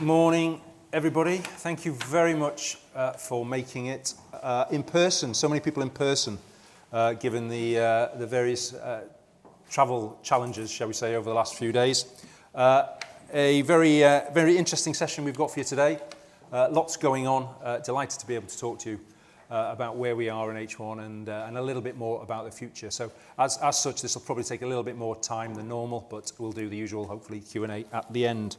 Morning everybody. Thank you very much for making it in person. So many people in person, given the various travel challenges, shall we say, over the last few days. A very, very interesting session we've got for you today. Lots going on. Delighted to be able to talk to you about where we are in H1 and a little bit more about the future. As such, this will probably take a little bit more time than normal, but we'll do the usual, hopefully Q&A at the end.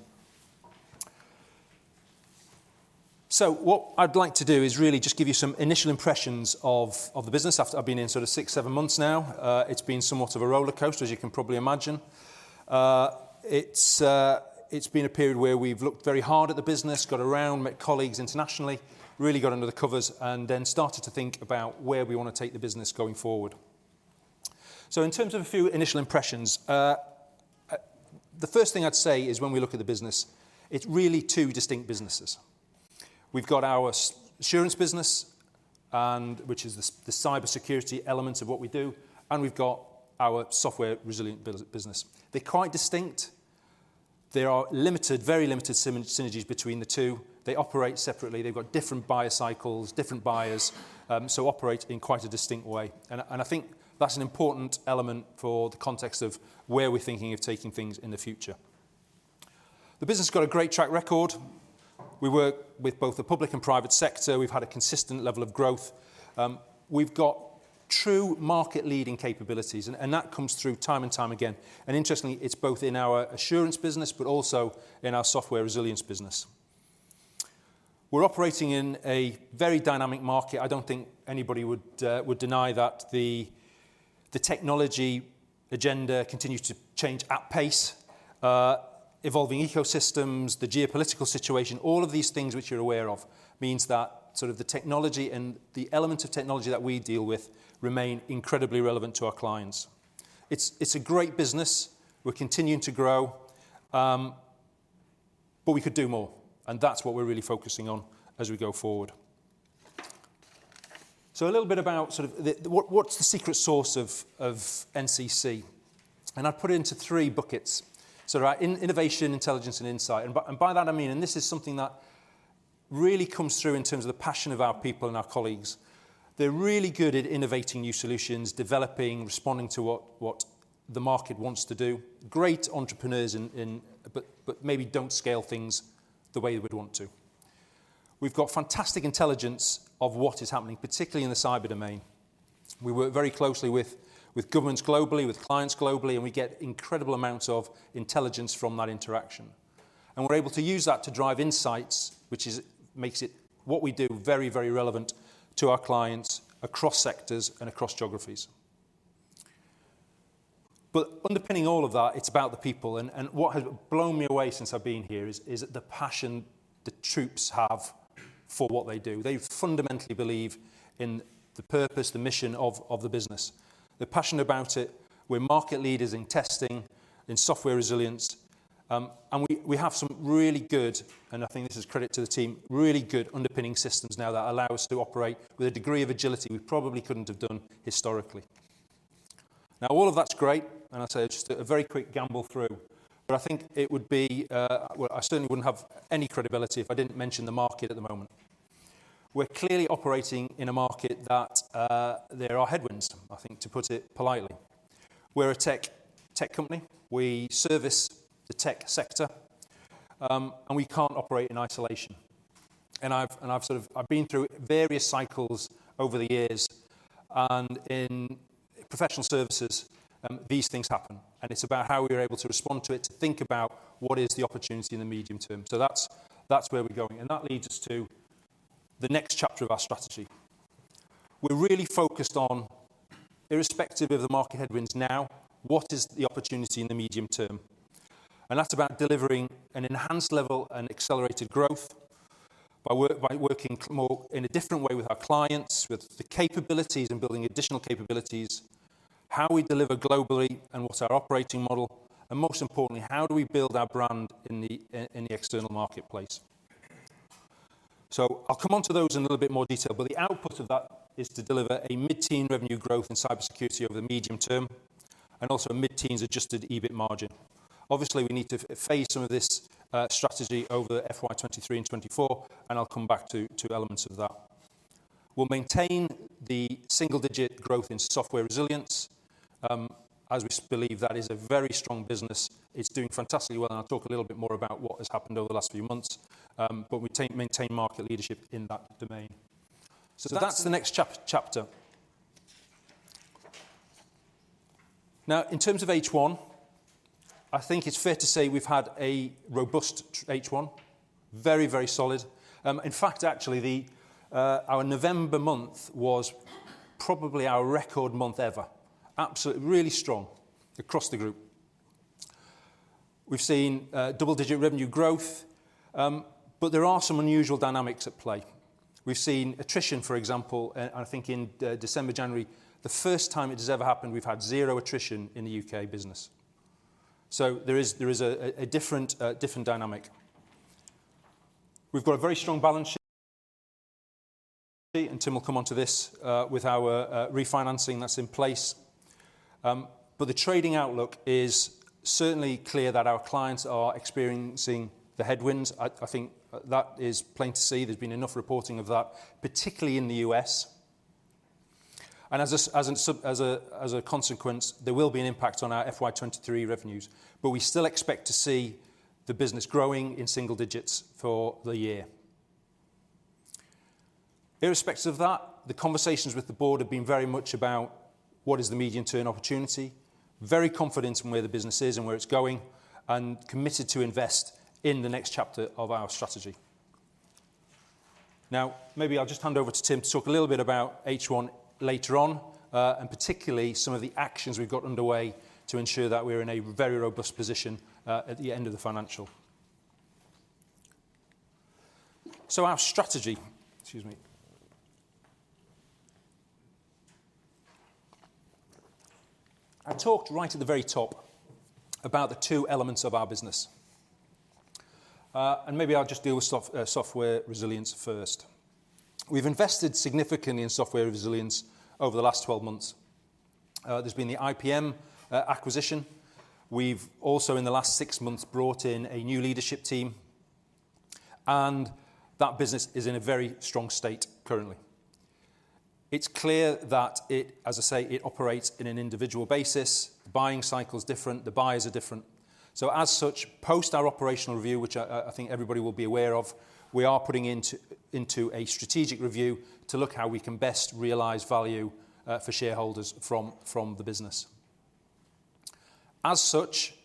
What I'd like to do is really just give you some initial impressions of the business after I've been in sort of 6, 7 months now. It's been somewhat of a roller coaster, as you can probably imagine. It's been a period where we've looked very hard at the business, got around, met colleagues internationally, really got under the covers, and then started to think about where we wanna take the business going forward. In terms of a few initial impressions, the first thing I'd say is when we look at the business, it's really two distinct businesses. We've got our assurance business which is the cybersecurity element of what we do, and we've got our Software Resilience business. They're quite distinct. There are limited, very limited synergies between the two. They operate separately. They've got different buyer cycles, different buyers, so operate in quite a distinct way. I think that's an important element for the context of where we're thinking of taking things in the future. The business has got a great track record. We work with both the public and private sector. We've had a consistent level of growth. We've got true market-leading capabilities, and that comes through time and time again. Interestingly, it's both in our assurance business, but also in our Software Resilience business. We're operating in a very dynamic market. I don't think anybody would deny that the technology agenda continues to change at pace. Evolving ecosystems, the geopolitical situation, all of these things which you're aware of means that sort of the technology and the element of technology that we deal with remain incredibly relevant to our clients. It's a great business. We're continuing to grow, but we could do more, and that's what we're really focusing on as we go forward. A little bit about sort of what's the secret sauce of NCC, and I've put it into three buckets. There are innovation, intelligence, and insight. By that, I mean, this is something that really comes through in terms of the passion of our people and our colleagues. They're really good at innovating new solutions, developing, responding to what the market wants to do. Great entrepreneurs in but maybe don't scale things the way we would want to. We've got fantastic intelligence of what is happening, particularly in the cyber domain. We work very closely with governments globally, with clients globally, and we get incredible amounts of intelligence from that interaction. We're able to use that to drive insights, which makes it what we do very relevant to our clients across sectors and across geographies. Underpinning all of that, it's about the people, and what has blown me away since I've been here is the passion the troops have for what they do. They fundamentally believe in the purpose, the mission of the business. They're passionate about it. We're market leaders in testing, in Software Resilience, and we have some really good, and I think this is credit to the team, really good underpinning systems now that allow us to operate with a degree of agility we probably couldn't have done historically. All of that's great, and I'd say just a very quick gambol through. I think it would be, well, I certainly wouldn't have any credibility if I didn't mention the market at the moment. We're clearly operating in a market that there are headwinds, I think, to put it politely. We're a tech company. We service the tech sector, and we can't operate in isolation. I've been through various cycles over the years, and in professional services, these things happen. It's about how we're able to respond to it, to think about what is the opportunity in the medium term. That's where we're going, and that leads us to the next chapter of our strategy. We're really focused on, irrespective of the market headwinds now, what is the opportunity in the medium term? That's about delivering an enhanced level and accelerated growth by working more in a different way with our clients, with the capabilities and building additional capabilities, how we deliver globally and what's our operating model, and most importantly, how do we build our brand in the external marketplace? I'll come onto those in a little bit more detail, but the output of that is to deliver a mid-teens revenue growth in cybersecurity over the medium term and also a mid-teens adjusted EBIT margin. Obviously, we need to phase some of this strategy over FY23 and FY24, and I'll come back to elements of that. We'll maintain the single-digit growth in Software Resilience, as we believe that is a very strong business. It's doing fantastically well, and I'll talk a little bit more about what has happened over the last few months, but we maintain market leadership in that domain. That's the next chapter. In terms of H1, I think it's fair to say we've had a robust H1. Very solid. In fact, actually, the our November month was probably our record month ever. Absolutely, really strong across the group. We've seen double-digit revenue growth, but there are some unusual dynamics at play. We've seen attrition, for example, I think in December, January. The first time it has ever happened, we've had 0 attrition in the UK business. There is a different dynamic. We've got a very strong balance sheet. Tim will come on to this with our refinancing that's in place. The trading outlook is certainly clear that our clients are experiencing the headwinds. I think that is plain to see. There's been enough reporting of that, particularly in the US. As a consequence, there will be an impact on our FY23 revenues, but we still expect to see the business growing in single digits for the year. Irrespective of that, the conversations with the board have been very much about what is the medium-term opportunity, very confident in where the business is and where it's going, and committed to invest in the next chapter of our strategy. maybe I'll just hand over to Tim to talk a little bit about H1 later on, and particularly some of the actions we've got underway to ensure that we're in a very robust position, at the end of the financial. Our strategy. Excuse me. I talked right at the very top about the 2 elements of our business. maybe I'll just deal with Software Resilience first. We've invested significantly in Software Resilience over the last 12 months. There's been the IPM acquisition. We've also in the last 6 months brought in a new leadership team. That business is in a very strong state currently. It's clear that it, as I say, it operates in an individual basis, the buying cycle is different, the buyers are different. As such, post our operational review, which I think everybody will be aware of, we are putting into a strategic review to look how we can best realize value for shareholders from the business. As such,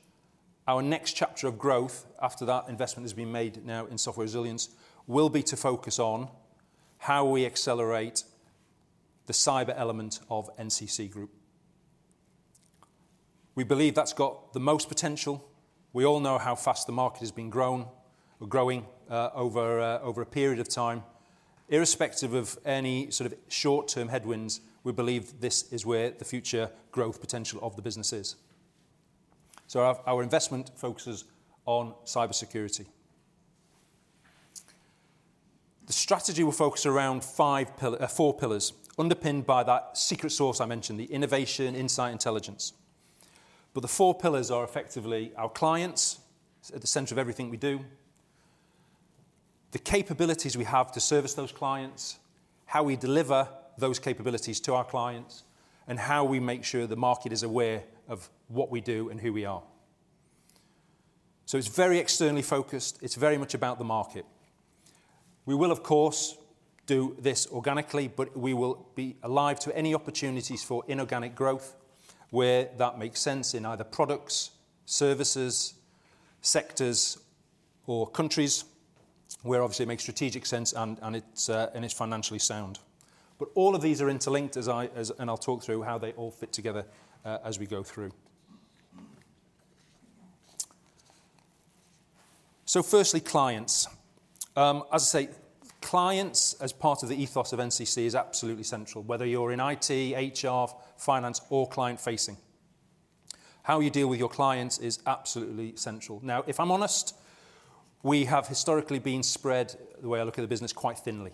our next chapter of growth after that investment has been made now in Software Resilience, will be to focus on how we accelerate the cyber element of NCC Group. We believe that's got the most potential. We all know how fast the market has been growing over a period of time. Irrespective of any sort of short-term headwinds, we believe this is where the future growth potential of the business is. Our investment focuses on cybersecurity. The strategy will focus around four pillars, underpinned by that secret sauce I mentioned, the innovation, insight, intelligence. The four pillars are effectively our clients at the center of everything we do, the capabilities we have to service those clients, how we deliver those capabilities to our clients, and how we make sure the market is aware of what we do and who we are. It's very externally focused. It's very much about the market. We will, of course, do this organically, but we will be alive to any opportunities for inorganic growth where that makes sense in either products, services, sectors or countries where obviously it makes strategic sense and it's financially sound. All of these are interlinked and I'll talk through how they all fit together as we go through. Firstly, clients. As I say, clients, as part of the ethos of NCC, is absolutely central, whether you're in IT, HR, finance or client-facing. How you deal with your clients is absolutely central. If I'm honest, we have historically been spread, the way I look at the business, quite thinly.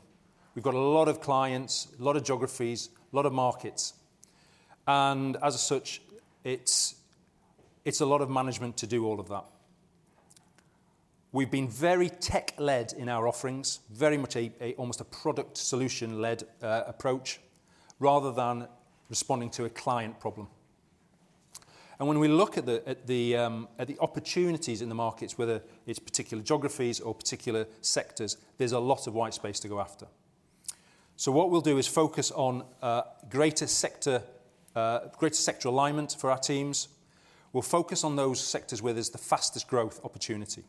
We've got a lot of clients, a lot of geographies, a lot of markets, and as such, it's a lot of management to do all of that. We've been very tech-led in our offerings, very much a almost a product solution-led approach rather than responding to a client problem. When we look at the, at the, at the opportunities in the markets, whether it's particular geographies or particular sectors, there's a lot of white space to go after. What we'll do is focus on, greater sector, greater sector alignment for our teams. We'll focus on those sectors where there's the fastest growth opportunity,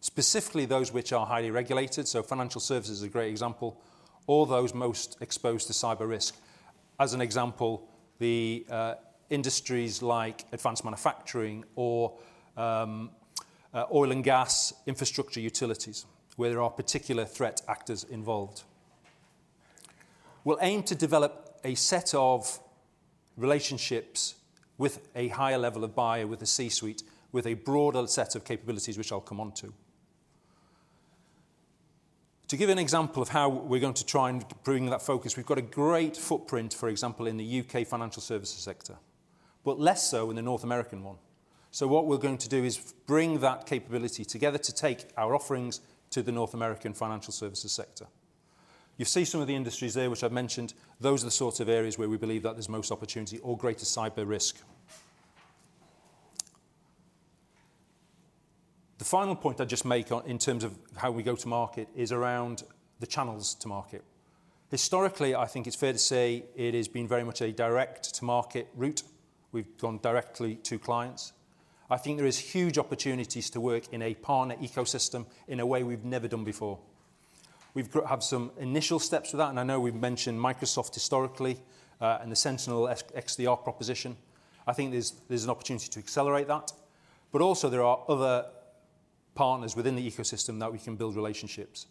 specifically those which are highly regulated, so financial services is a great example. Those most exposed to cyber risk. An example, the industries like advanced manufacturing or, oil and gas, infrastructure utilities, where there are particular threat actors involved. We'll aim to develop a set of relationships with a higher level of buyer, with a C-suite, with a broader set of capabilities, which I'll come on to. To give you an example of how we're going to try and bring that focus, we've got a great footprint, for example, in the UK financial services sector, but less so in the North American one. What we're going to do is bring that capability together to take our offerings to the North American financial services sector. You see some of the industries there which I've mentioned, those are the sorts of areas where we believe that there's most opportunity or greater cyber risk. The final point I'd just make on in terms of how we go to market is around the channels to market. Historically, I think it's fair to say it has been very much a direct-to-market route. We've gone directly to clients. I think there is huge opportunities to work in a partner ecosystem in a way we've never done before. We've have some initial steps for that, and I know we've mentioned Microsoft historically, and the Sentinel XDR proposition. I think there's an opportunity to accelerate that, but also there are other partners within the ecosystem that we can build relationships.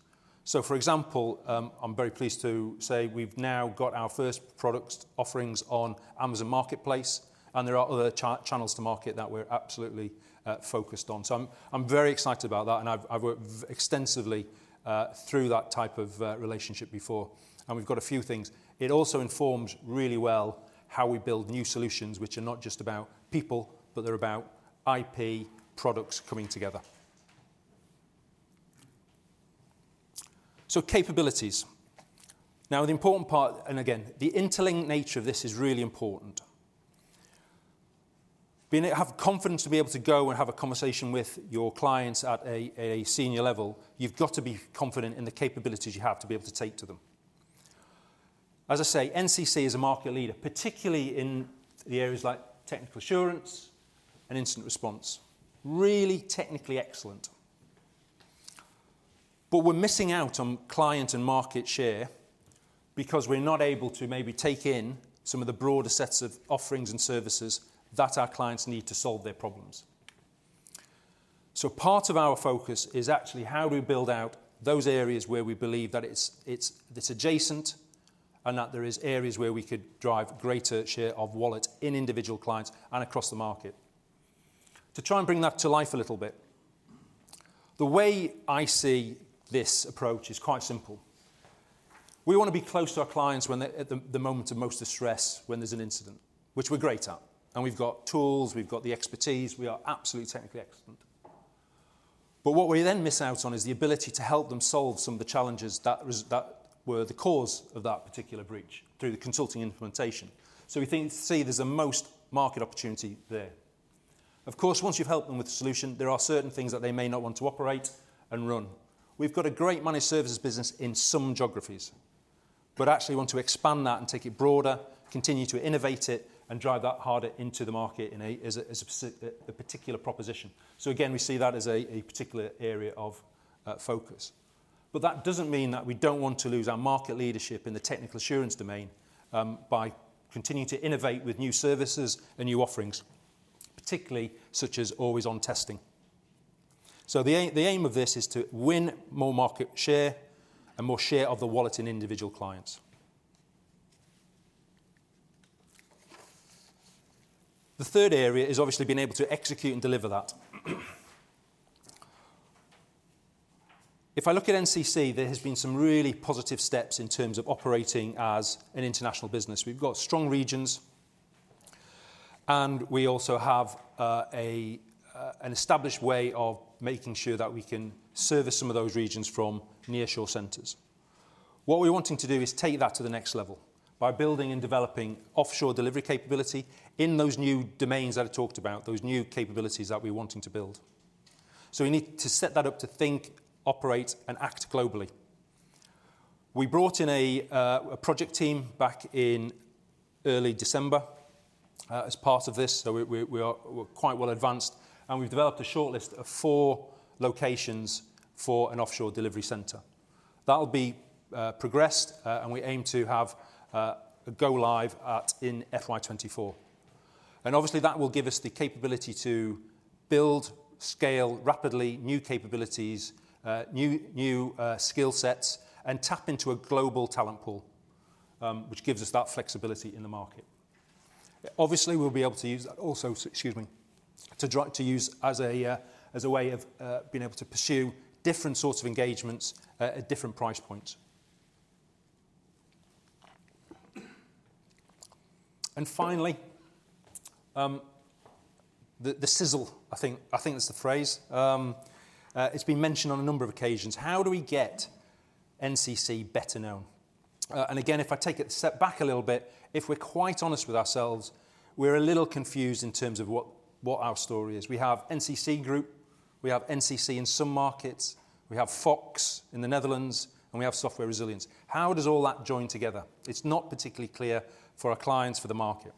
For example, I'm very pleased to say we've now got our first product offerings on Amazon Marketplace, and there are other channels to market that we're absolutely focused on. I'm very excited about that, and I've worked extensively through that type of relationship before, and we've got a few things. It also informs really well how we build new solutions, which are not just about people, but they're about IP products coming together. Capabilities. Now, the important part, and again, the interlinked nature of this is really important. Have confidence to be able to go and have a conversation with your clients at a senior level, you've got to be confident in the capabilities you have to be able to take to them. As I say, NCC is a market leader, particularly in the areas like technical assurance and incident response. Really technically excellent. We're missing out on client and market share because we're not able to maybe take in some of the broader sets of offerings and services that our clients need to solve their problems. Part of our focus is actually how do we build out those areas where we believe that it's this adjacent, and that there is areas where we could drive greater share of wallet in individual clients and across the market. To try and bring that to life a little bit, the way I see this approach is quite simple. We wanna be close to our clients at the moment of most distress when there's an incident, which we're great at, we've got tools, we've got the expertise, we are absolutely technically excellent. What we then miss out on is the ability to help them solve some of the challenges that were the cause of that particular breach through the consulting implementation. We see there's the most market opportunity there. Of course, once you've helped them with the solution, there are certain things that they may not want to operate and run. We've got a great managed services business in some geographies, actually want to expand that and take it broader, continue to innovate it, and drive that harder into the market as a particular proposition. Again, we see that as a particular area of focus. That doesn't mean that we don't want to lose our market leadership in the technical assurance domain by continuing to innovate with new services and new offerings, particularly such as always-on testing. The aim of this is to win more market share and more share of the wallet in individual clients. The third area is obviously being able to execute and deliver that. If I look at NCC, there has been some really positive steps in terms of operating as an international business. We've got strong regions, and we also have an established way of making sure that we can service some of those regions from nearshore centers. What we're wanting to do is take that to the next level by building and developing offshore delivery capability in those new domains that I talked about, those new capabilities that we're wanting to build. We need to set that up to think, operate, and act globally. We brought in a project team back in early December as part of this, so we're quite well advanced, and we've developed a shortlist of four locations for an offshore delivery center. That'll be progressed and we aim to have a go live in FY24. Obviously, that will give us the capability to build, scale rapidly new capabilities, new skill sets, and tap into a global talent pool, which gives us that flexibility in the market. Obviously, we'll be able to use that also, excuse me, to use as a way of being able to pursue different sorts of engagements at different price points. Finally, the sizzle, I think that's the phrase. It's been mentioned on a number of occasions. How do we get NCC better known? Again, if I take it a step back a little bit, if we're quite honest with ourselves, we're a little confused in terms of what our story is. We have NCC Group, we have NCC in some markets, we have Fox-IT in the Netherlands, and we have Software Resilience. How does all that join together? It's not particularly clear for our clients, for the market.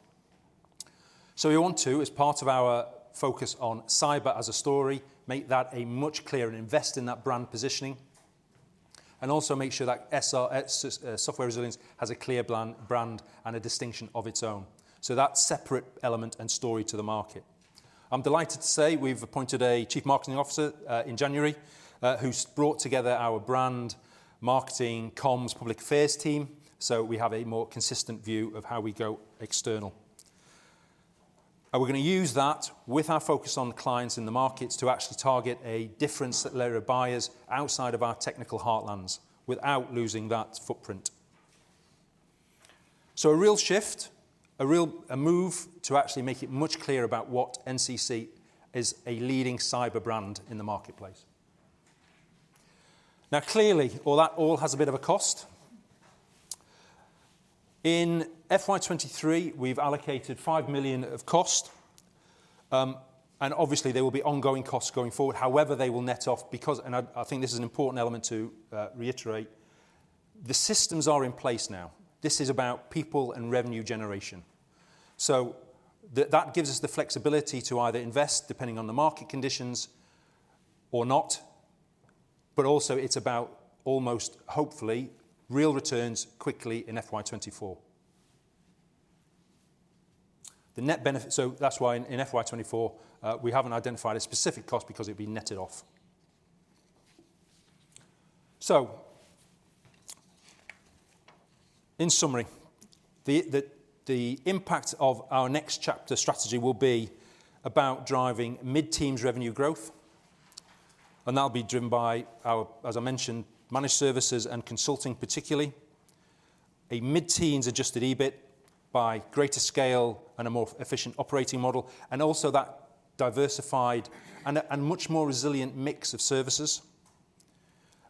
We want to, as part of our focus on cyber as a story, make that a much clearer and invest in that brand positioning, and also make sure that SR, Software Resilience has a clear brand and a distinction of its own. That separate element and story to the market. I'm delighted to say we've appointed a chief marketing officer in January, who's brought together our brand, marketing, comms, public affairs team, so we have a more consistent view of how we go external. We're going to use that with our focus on clients in the markets to actually target a different layer of buyers outside of our technical heartlands without losing that footprint. A real shift, a real move to actually make it much clearer about what NCC is a leading cyber brand in the marketplace. Clearly, all that has a bit of a cost. In FY23, we've allocated 5 million of cost, and obviously there will be ongoing costs going forward. However, they will net off because, and I think this is an important element to reiterate, the systems are in place now. This is about people and revenue generation. That gives us the flexibility to either invest, depending on the market conditions, or not, but also it's about almost hopefully real returns quickly in FY24. The net benefit. That's why in FY24, we haven't identified a specific cost because it'd be netted off. In summary, the impact of our Next Chapter strategy will be about driving mid-teens revenue growth, and that'll be driven by our, as I mentioned, managed services and consulting particularly. A mid-teens adjusted EBIT by greater scale and a more efficient operating model, and also that diversified and much more resilient mix of services.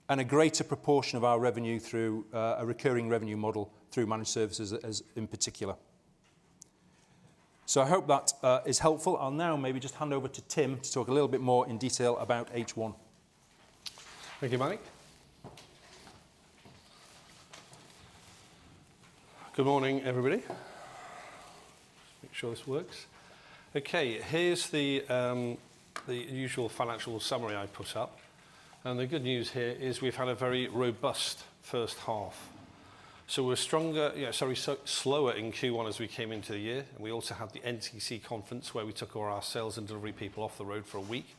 A greater proportion of our revenue through a recurring revenue model through managed services as, in particular. I hope that is helpful. I'll now maybe just hand over to Tim to talk a little bit more in detail about H1. Thank you, Mike. Good morning, everybody. Make sure this works. Okay, here's the usual financial summary I put up. The good news here is we've had a very robust first half. We're slower in Q1 as we came into the year. We also had the NCC conference where we took all our sales and delivery people off the road for a week.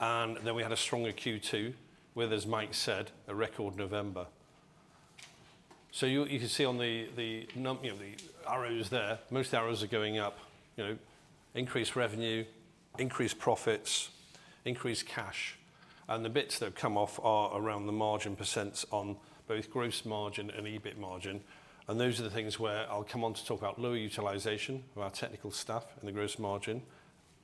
Then we had a stronger Q2 with, as Mike said, a record November. You, you can see on the, you know, the arrows there, most arrows are going up. You know, increased revenue, increased profits, increased cash. The bits that have come off are around the margin % on both gross margin and EBIT margin. Those are the things where I'll come on to talk about low utilization of our technical staff and the gross margin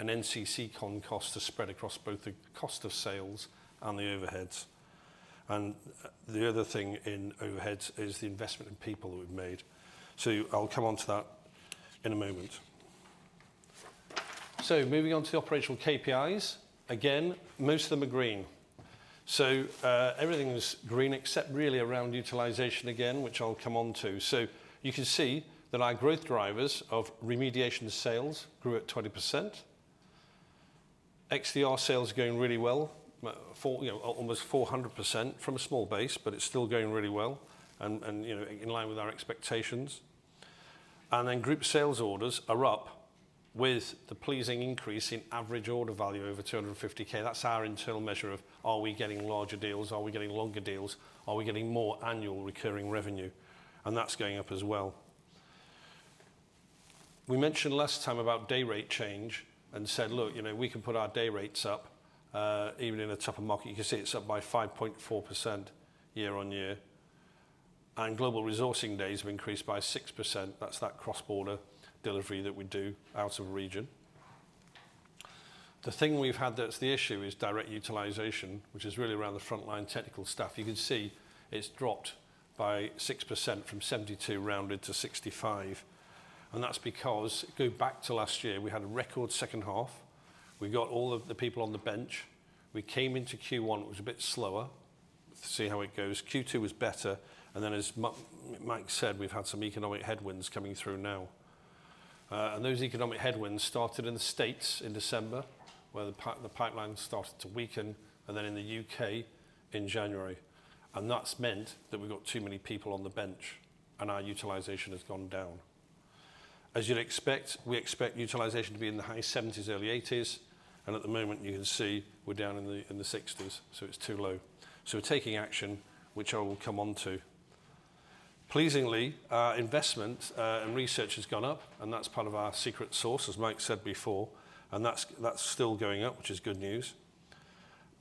and NCC Con cost are spread across both the cost of sales and the overheads. The other thing in overheads is the investment in people that we've made. I'll come onto that in a moment. Moving on to the operational KPIs. Again, most of them are green. Everything's green except really around utilization again, which I'll come on to. You can see that our growth drivers of remediation sales grew at 20%. XDR sales are going really well. You know, almost 400% from a small base, but it's still going really well and, you know, in line with our expectations. Group sales orders are up with the pleasing increase in average order value over 250K. That's our internal measure of are we getting larger deals? Are we getting longer deals? Are we getting more annual recurring revenue? That's going up as well. We mentioned last time about day rate change and said, "Look, you know, we can put our day rates up, even in a tougher market." You can see it's up by 5.4% year-on-year. Global resourcing days have increased by 6%. That's that cross-border delivery that we do out of region. The thing we've had that's the issue is direct utilization, which is really around the frontline technical staff. You can see it's dropped by 6% from 72 rounded to 65, that's because go back to last year, we had a record second half. We got all of the people on the bench. We came into Q1, it was a bit slower to see how it goes. Q2 was better, then as Mike said, we've had some economic headwinds coming through now. Those economic headwinds started in the US in December, where the pipeline started to weaken then in the UK in January. That's meant that we've got too many people on the bench, and our utilization has gone down. As you'd expect, we expect utilization to be in the high 70s, early 80s, and at the moment, you can see we're down in the 60s, so it's too low. We're taking action, which I will come on to. Pleasingly, our investment and research has gone up, and that's part of our secret sauce, as Mike said before, and that's still going up, which is good news.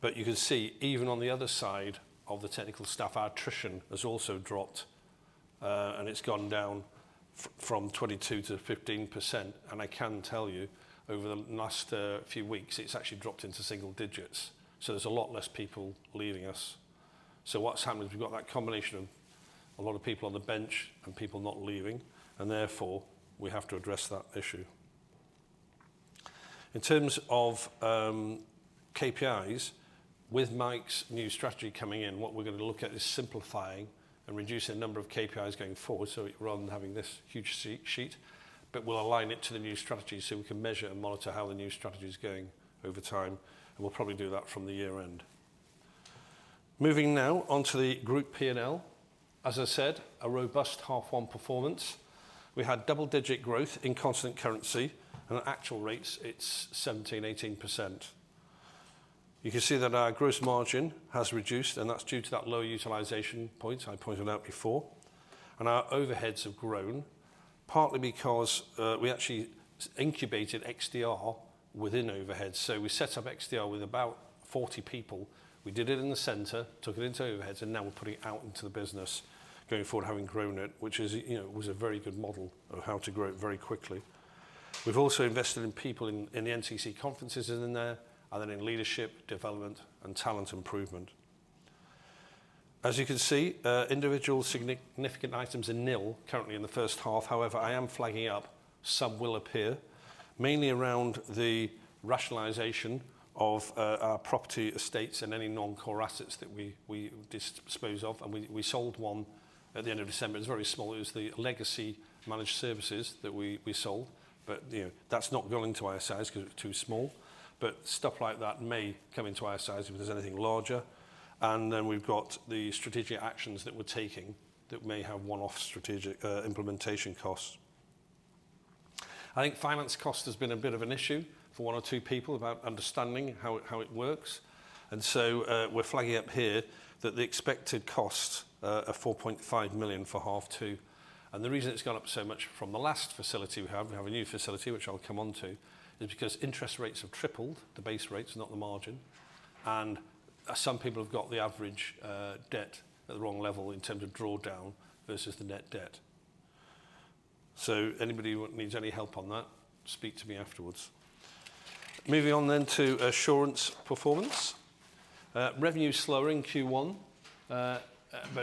You can see even on the other side of the technical staff, our attrition has also dropped, and it's gone down from 22% to 15%. I can tell you over the last few weeks, it's actually dropped into single digits. There's a lot less people leaving us. What's happened is we've got that combination of a lot of people on the bench and people not leaving, and therefore, we have to address that issue. In terms of KPIs, with Mike's new strategy coming in, what we're gonna look at is simplifying and reducing the number of KPIs going forward. Rather than having this huge sheet, we'll align it to the new strategy so we can measure and monitor how the new strategy is going over time, and we'll probably do that from the year-end. Moving now onto the group P&L. As I said, a robust H1 performance. We had double-digit growth in constant currency and at actual rates, it's 17%, 18%. You can see that our gross margin has reduced, that's due to that low utilization point I pointed out before. Our overheads have grown partly because we actually incubated XDR within overheads. We set up XDR with about 40 people. We did it in the center, took it into overheads, and now we're putting it out into the business going forward, having grown it, which is, you know, was a very good model of how to grow it very quickly. We've also invested in people in the NCC conferences in there and then in leadership development and talent improvement. As you can see, individual significant items are nil currently in the first half. I am flagging up some will appear mainly around the rationalization of our property estates and any non-core assets that we dispose of, and we sold one at the end of December. It's very small. It was the legacy managed services that we sold. You know, that's not going to our size 'cause it's too small. Stuff like that may come into our size if there's anything larger. We've got the strategic actions that we're taking that may have one-off strategic implementation costs. I think finance cost has been a bit of an issue for one or two people about understanding how it works. We're flagging up here that the expected cost of 4.5 million for H2, and the reason it's gone up so much from the last facility we have, we have a new facility, which I'll come on to, is because interest rates have tripled, the base rates, not the margin. Some people have got the average debt at the wrong level in terms of drawdown versus the net debt. Anybody what needs any help on that, speak to me afterwards. Moving on to Assurance performance. Revenue slower in Q1, but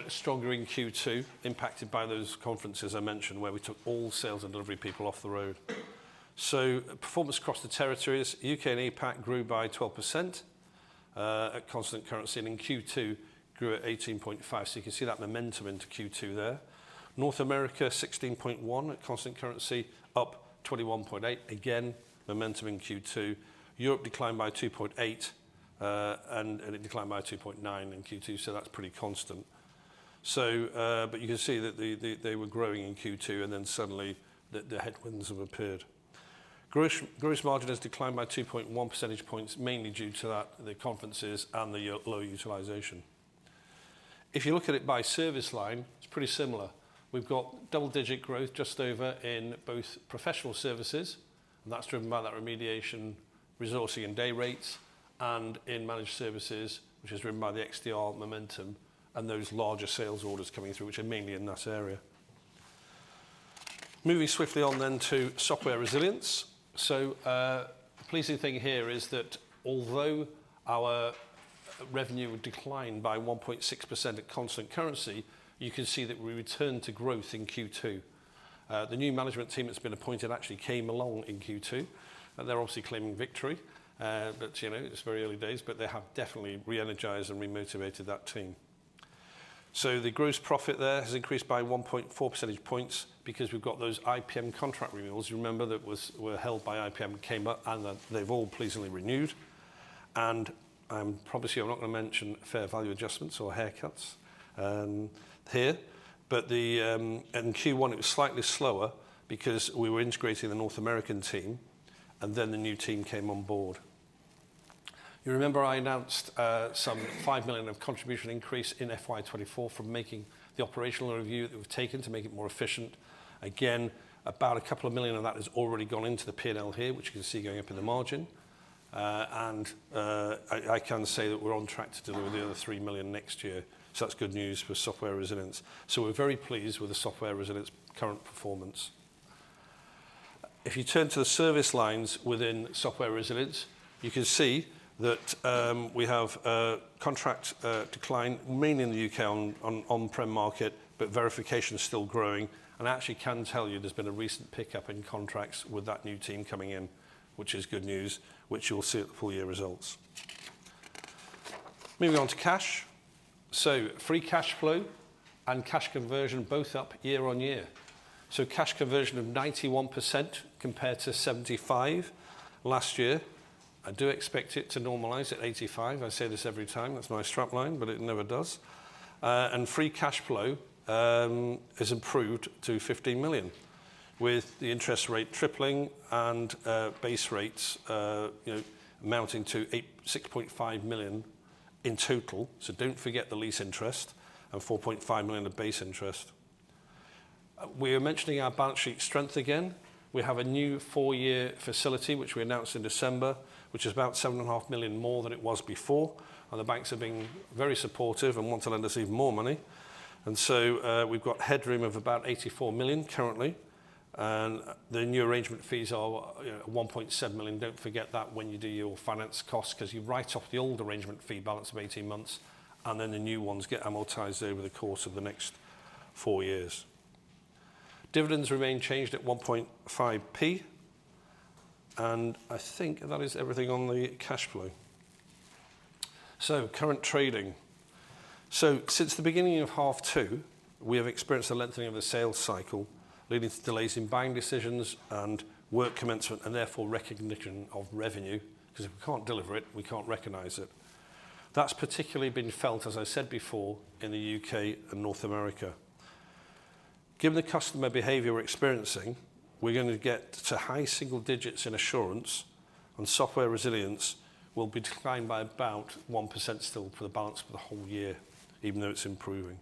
stronger in Q2, impacted by those conferences I mentioned where we took all sales and delivery people off the road. Performance across the territories, UK and APAC grew by 12% at constant currency, and in Q2 grew at 18.5%. You can see that momentum into Q2 there. North America, 16.1 at constant currency, up 21.8%. Again, momentum in Q2. Europe declined by 2.8%, and it declined by 2.9% in Q2, so that's pretty constant. You can see that they were growing in Q2 and then suddenly the headwinds have appeared. Gross margin has declined by 2.1 percentage points, mainly due to that, the conferences and the low utilization. If you look at it by service line, it's pretty similar. We've got double-digit growth just over in both professional services, and that's driven by that remediation resourcing and day rates and in managed services, which is driven by the XDR momentum and those larger sales orders coming through, which are mainly in that area. Moving swiftly on to Software Resilience. Pleasing thing here is that although our revenue declined by 1.6% at constant currency, you can see that we returned to growth in Q2. The new management team that's been appointed actually came along in Q2, they're obviously claiming victory. You know, it's very early days, but they have definitely re-energized and re-motivated that team. The gross profit there has increased by 1.4 percentage points because we've got those IPM contract renewals, you remember, that were held by IPM, came up, they've all pleasingly renewed. Obviously I'm not gonna mention fair value adjustments or haircuts here. In Q1, it was slightly slower because we were integrating the North American team, the new team came on board. You remember I announced some 5 million of contribution increase in FY24 from making the operational review that we've taken to make it more efficient. About 2 million of that has already gone into the P&L here, which you can see going up in the margin. I can say that we're on track to deliver the other 3 million next year. That's good news for Software Resilience. We're very pleased with the Software Resilience current performance. You turn to the service lines within Software Resilience, you can see that we have contract decline mainly in the UK on-prem market, but verification is still growing. I actually can tell you there's been a recent pickup in contracts with that new team coming in, which is good news, which you'll see at the full year results. Moving on to cash. Free cash flow and cash conversion both up year-over-year. Cash conversion of 91% compared to 75% last year. I do expect it to normalize at 85%. I say this every time, that's my strap line, but it never does. Free cash flow has improved to 15 million, with the interest rate tripling and base rates, you know, amounting to 6.5 million in total. Don't forget the lease interest and 4.5 million of base interest. We are mentioning our balance sheet strength again. We have a new 4-year facility, which we announced in December, which is about 7.5 million more than it was before. The banks are being very supportive and want to lend us even more money. We've got headroom of about 84 million currently, and the new arrangement fees are, you know, 1.7 million. Don't forget that when you do your finance cost, 'cause you write off the old arrangement fee balance of 18 months, and then the new ones get amortized over the course of the next 4 years. Dividends remain changed at 0.015. I think that is everything on the cash flow. Current trading. Since the beginning of half two, we have experienced a lengthening of the sales cycle, leading to delays in buying decisions and work commencement, and therefore recognition of revenue, because if we can't deliver it, we can't recognize it. That's particularly been felt, as I said before, in the UK and North America. Given the customer behavior we're experiencing, we're going to get to high single digits in Assurance and Software Resilience will be declined by about 1% still for the balance for the whole year, even though it's improving.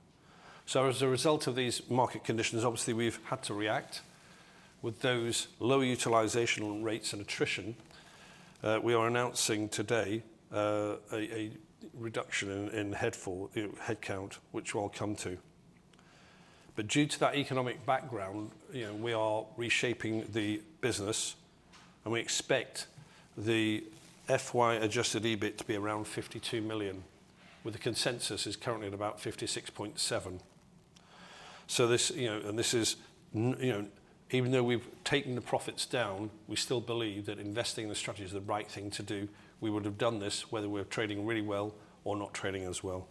As a result of these market conditions, obviously, we've had to react. With those low utilizational rates and attrition, we are announcing today a reduction in headcount, which we'll come to. Due to that economic background, you know, we are reshaping the business, and we expect the FY adjusted EBIT to be around 52 million, where the consensus is currently at about 56.7 million. This, you know, and this is you know, even though we've taken the profits down, we still believe that investing in the strategy is the right thing to do. We would have done this whether we're trading really well or not trading as well.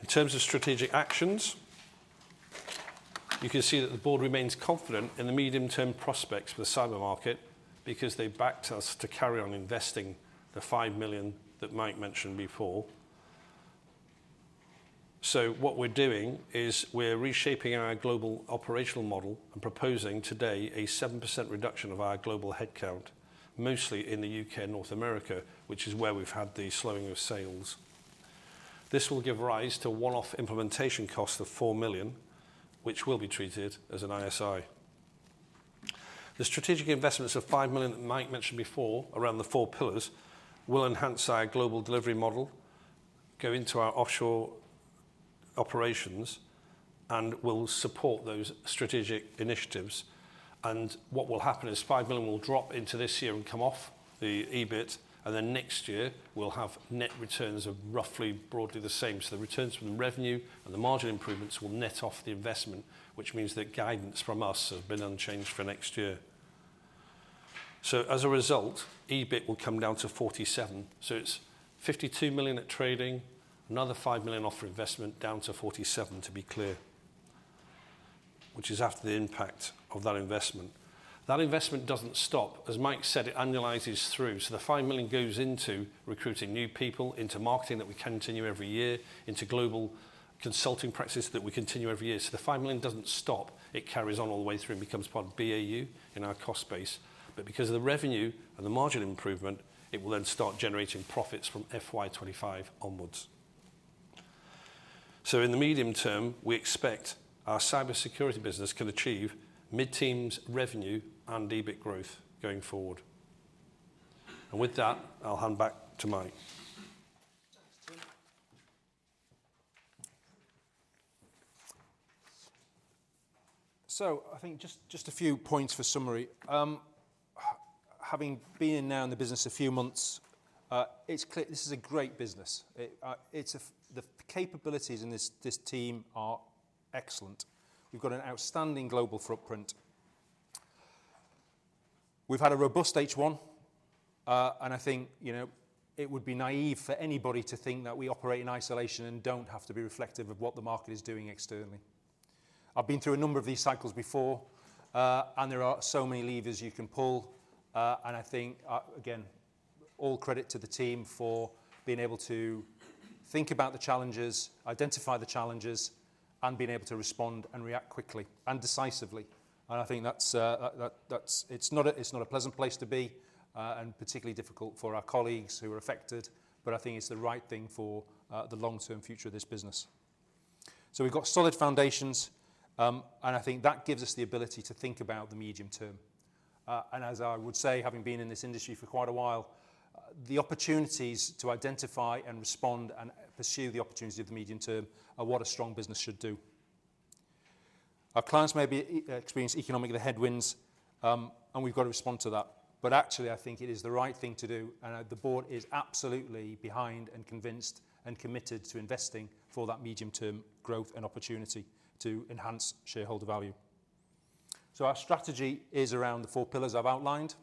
In terms of strategic actions, you can see that the board remains confident in the medium-term prospects for the cyber market because they backed us to carry on investing the 5 million that Mike mentioned before. What we're doing is we're reshaping our global operational model and proposing today a 7% reduction of our global headcount, mostly in the UK and North America, which is where we've had the slowing of sales. This will give rise to one-off implementation costs of 4 million, which will be treated as an ISI. The strategic investments of 5 million that Mike mentioned before around the four pillars will enhance our global delivery model, go into our offshore operations, and will support those strategic initiatives. What will happen is 5 million will drop into this year and come off the EBIT, then next year we'll have net returns of roughly broadly the same. The returns from the revenue and the margin improvements will net off the investment, which means that guidance from us have been unchanged for next year. As a result, EBIT will come down to 47 million. It's 52 million at trading, another 5 million off for investment, down to 47 million, to be clear, which is after the impact of that investment. That investment doesn't stop. As Mike said, it annualizes through. The 5 million goes into recruiting new people, into marketing that we continue every year, into global consulting practices that we continue every year. The 5 million doesn't stop. It carries on all the way through and becomes part of BAU in our cost base. Because of the revenue and the margin improvement, it will then start generating profits from FY25 onwards. In the medium term, we expect our cybersecurity business can achieve mid-teens revenue and EBIT growth going forward. With that, I'll hand back to Mike. Thanks, Tim. I think just a few points for summary. Having been in now in the business a few months, it's clear this is a great business. The capabilities in this team are excellent. We've got an outstanding global footprint. We've had a robust H1, and I think, you know, it would be naive for anybody to think that we operate in isolation and don't have to be reflective of what the market is doing externally. I've been through a number of these cycles before, and there are so many levers you can pull, and I think, again, all credit to the team for being able to think about the challenges, identify the challenges, and being able to respond and react quickly and decisively. I think that's, it's not a, it's not a pleasant place to be, and particularly difficult for our colleagues who are affected, but I think it's the right thing for the long-term future of this business. We've got solid foundations, and I think that gives us the ability to think about the medium term. As I would say, having been in this industry for quite a while, the opportunities to identify and respond and pursue the opportunity of the medium term are what a strong business should do. Our clients may be experience economic headwinds, and we've got to respond to that. Actually, I think it is the right thing to do, and the board is absolutely behind and convinced and committed to investing for that medium-term growth and opportunity to enhance shareholder value. Our strategy is around the four pillars I've outlined.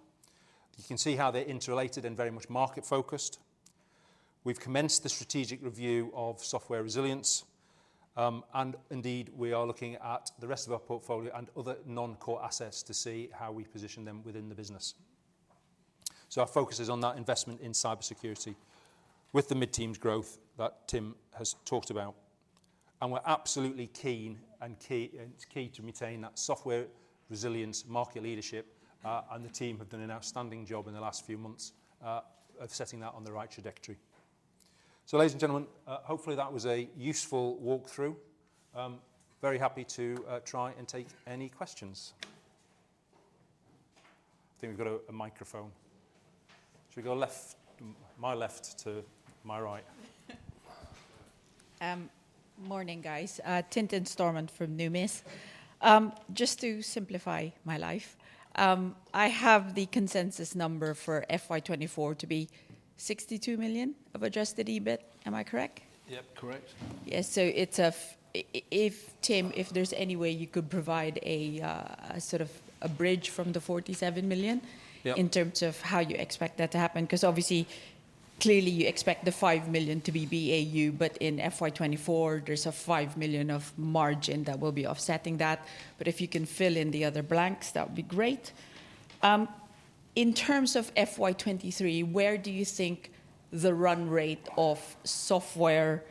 You can see how they're interrelated and very much market-focused. We've commenced the strategic review of Software Resilience, and indeed, we are looking at the rest of our portfolio and other non-core assets to see how we position them within the business. Our focus is on that investment in cybersecurity with the mid-teens growth that Tim has talked about. We're absolutely keen and key, it's key to maintain that Software Resilience market leadership, and the team have done an outstanding job in the last few months of setting that on the right trajectory. Ladies and gentlemen, hopefully that was a useful walkthrough. Very happy to try and take any questions. I think we've got a microphone. Should we go my left to my right? Morning, guys. Tintin Staehler from Numis. Just to simplify my life, I have the consensus number for FY24 to be 62 million of adjusted EBIT. Am I correct? Yep, correct. Yeah. It's a if, Tim, if there's any way you could provide a sort of a bridge from the 47 million in terms of how you expect that to happen, 'cause obviously, clearly you expect the 5 million to be BAU, but in FY24, there's a 5 million of margin that will be offsetting that. If you can fill in the other blanks, that would be great. In terms of FY23, where do you think the run rate of Software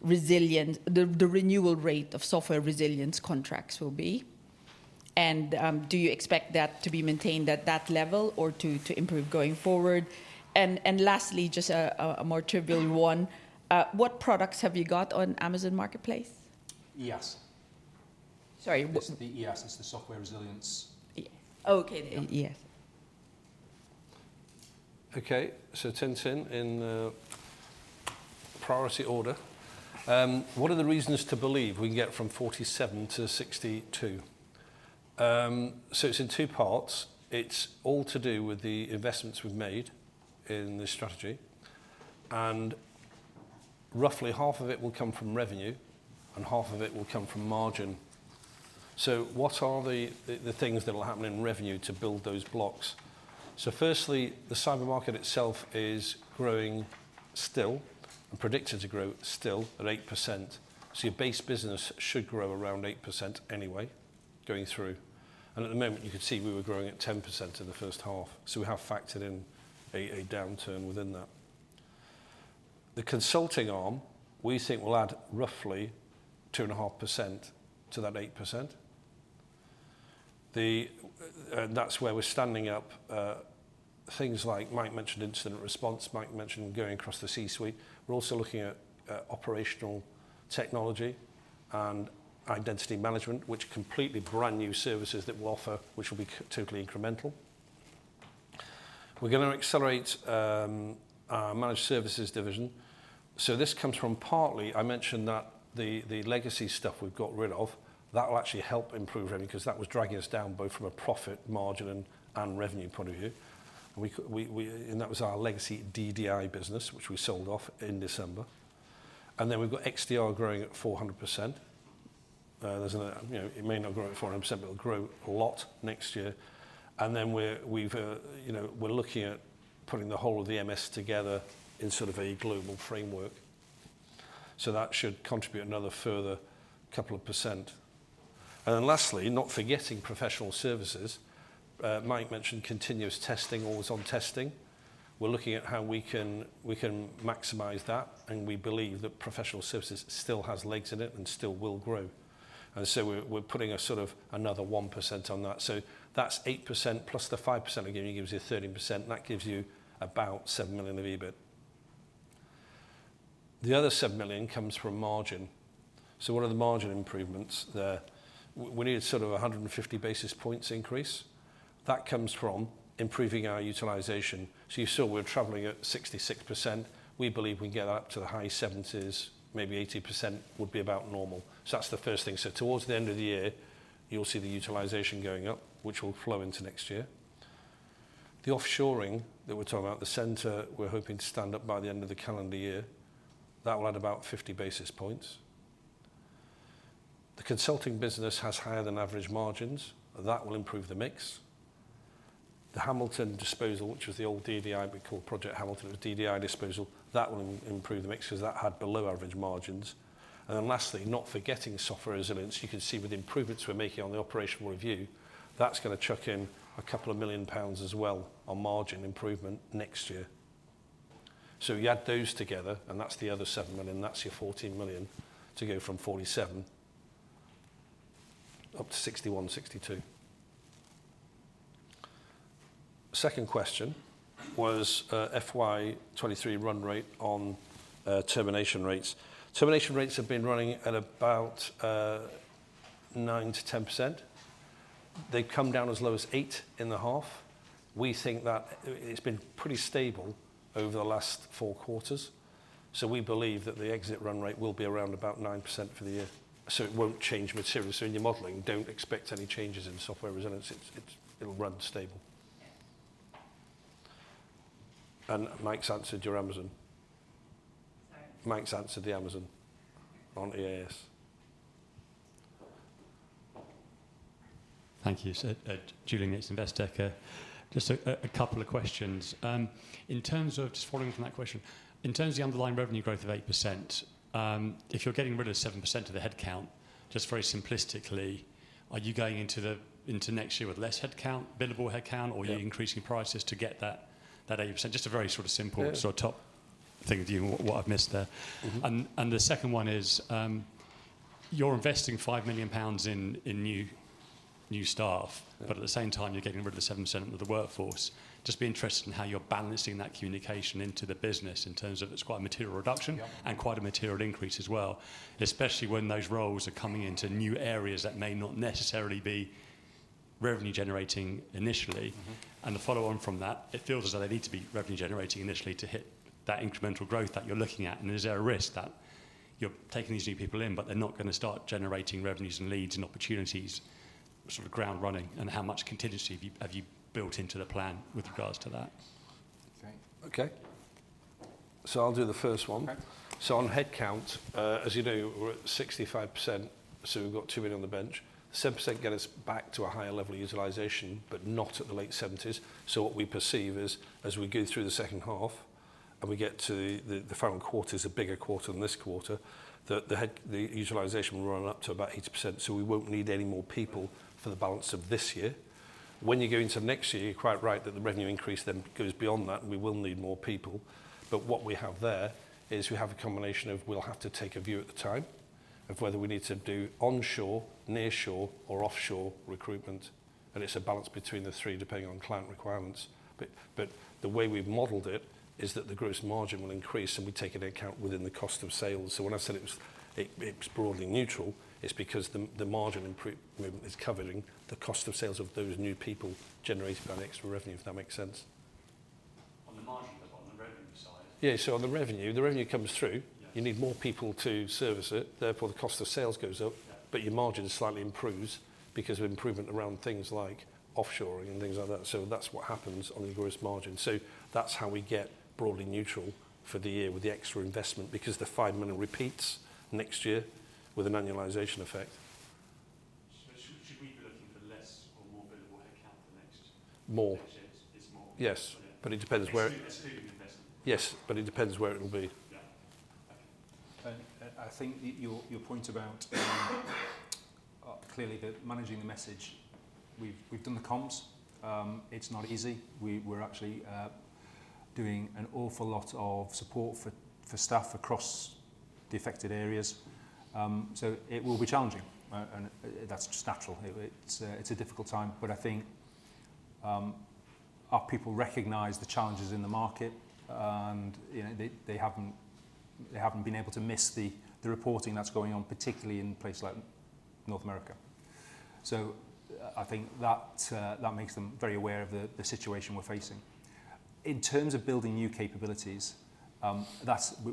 Resilience, the renewal rate of Software Resilience contracts will be? Do you expect that to be maintained at that level or to improve going forward? Lastly, just a more trivial one, what products have you got on AWS Marketplace? EaaS. Sorry, what's... It's the EaaS. It's the Software Resilience- Okay, there you go. Okay. Tintin, in priority order, what are the reasons to believe we can get from 47 to 62? It's in 2 parts. It's all to do with the investments we've made in this strategy, and roughly half of it will come from revenue, and half of it will come from margin. What are the things that will happen in revenue to build those blocks? Firstly, the cyber market itself is growing still and predicted to grow still at 8%. Your base business should grow around 8% anyway going throughAnd at the moment you could see we were growing at 10% in the first half, we have factored in a downturn within that. The consulting arm, we think will add roughly 2.5% to that 8%. That's where we're standing up things like Mike mentioned incident response, Mike mentioned going across the C-suite. We're also looking at operational technology and identity management, which are completely brand-new services that we offer, which will be totally incremental. We're gonna accelerate our managed services division. This comes from partly, I mentioned that the legacy stuff we've got rid of, that will actually help improve revenue because that was dragging us down both from a profit margin and revenue point of view. We and that was our legacy DDI business which we sold off in December. We've got XDR growing at 400%. There's you know, it may not grow at 400%, but it'll grow a lot next year. We're, you know, we're looking at pulling the whole of the MS together in sort of a global framework. That should contribute another further 2%. Lastly, not forgetting professional services. Mike mentioned continuous testing, always-on testing. We're looking at how we can maximize that, and we believe that professional services still has legs in it and still will grow. We're putting a sort of another 1% on that. That's 8% plus the 5% again gives you 13% and that gives you about 7 million of EBIT. The other 7 million comes from margin. What are the margin improvements there? We need sort of 150 basis points increase. That comes from improving our utilization. You saw we're traveling at 66%. We believe we can get up to the high 70s, maybe 80% would be about normal. That's the first thing. Towards the end of the year, you'll see the utilization going up, which will flow into next year. The offshoring that we're talking about, the center we're hoping to stand up by the end of the calendar year, that will add about 50 basis points. The consulting business has higher than average margins, that will improve the mix. The Hamilton disposal, which was the old DDI we called Project Hamilton, it was DDI disposal, that will improve the mix 'cause that had below average margins. Lastly, not forgetting Software Resilience, you can see with the improvements we're making on the operational review, that's gonna chuck in a couple of million GBP as well on margin improvement next year. You add those together, and that's the other 7 million. That's your 14 million to go from 47 million up to 61 to 62 million. Second question was, FY23 run rate on termination rates. Termination rates have been running at about 9% to 10%. They've come down as low as 8 in the half. We think that it's been pretty stable over the last four quarters, we believe that the exit run rate will be around about 9% for the year. It won't change material. In your modeling, don't expect any changes in Software Resilience. It'll run stable. Yes. Mike's answered your Amazon. Sorry. Mike's answered the Amazon on EaaS. Thank you, Julian Yates, Investec. Just a couple of questions. In terms of, just following from that question, in terms of the underlying revenue growth of 8%, if you're getting rid of 7% of the headcount, just very simplistically, are you going into next year with less headcount, billable headcount? Yeah. Are you increasing prices to get that 8%? Just a very sort of simple- Yeah. sort of top thing of view what I've missed there. The second one is, you're investing 5 million pounds in new staff. Yeah. At the same time, you're getting rid of 7% of the workforce. Just be interested in how you're balancing that communication into the business in terms of it's quite a material reduction? Yeah. Quite a material increase as well, especially when those roles are coming into new areas that may not necessarily be revenue generating initially. The follow on from that, it feels as though they need to be revenue generating initially to hit that incremental growth that you're looking at, and is there a risk that you're taking these new people in, but they're not gonna start generating revenues and leads and opportunities sort of ground running? How much contingency have you built into the plan with regards to that? Okay. I'll do the first one. Okay. On headcount, as you know, we're at 65%, so we've got 2 million on the bench. 7% get us back to a higher level of utilization, but not at the late 70s. What we perceive is, as we go through the second half, and we get to the final quarter is a bigger quarter than this quarter, the utilization will run up to about 80%, so we won't need any more people for the balance of this year. When you go into next year, you're quite right that the revenue increase then goes beyond that, and we will need more people. What we have there is we have a combination of we'll have to take a view at the time of whether we need to do onshore, nearshore, or offshore recruitment, and it's a balance between the three, depending on client requirements. The way we've modeled it is that the gross margin will increase, and we take it into account within the cost of sales. When I said it was, it's broadly neutral, it's because the margin movement is covering the cost of sales of those new people generating that extra revenue, if that makes sense? On the margin, but on the revenue side. Yeah. On the revenue, the revenue comes through. Yeah. You need more people to service it, therefore the cost of sales goes up. Yeah. Your margin slightly improves because of improvement around things like offshoring and things like that. That's what happens on the gross margin. That's how we get broadly neutral for the year with the extra investment because the 5 million repeats next year with an annualization effect. Should we be looking for less or more? More Actually, it's more Yes. It depends where- It's still an investment. Yes, it depends where it'll be. Yeah. Okay. I think that your point about clearly the managing the message, we've done the comms. It's not easy. We're actually doing an awful lot of support for staff across the affected areas. It will be challenging. That's just natural. It's a difficult time. I think our people recognize the challenges in the market and, you know, they haven't been able to miss the reporting that's going on, particularly in places like North America. I think that makes them very aware of the situation we're facing. In terms of building new capabilities,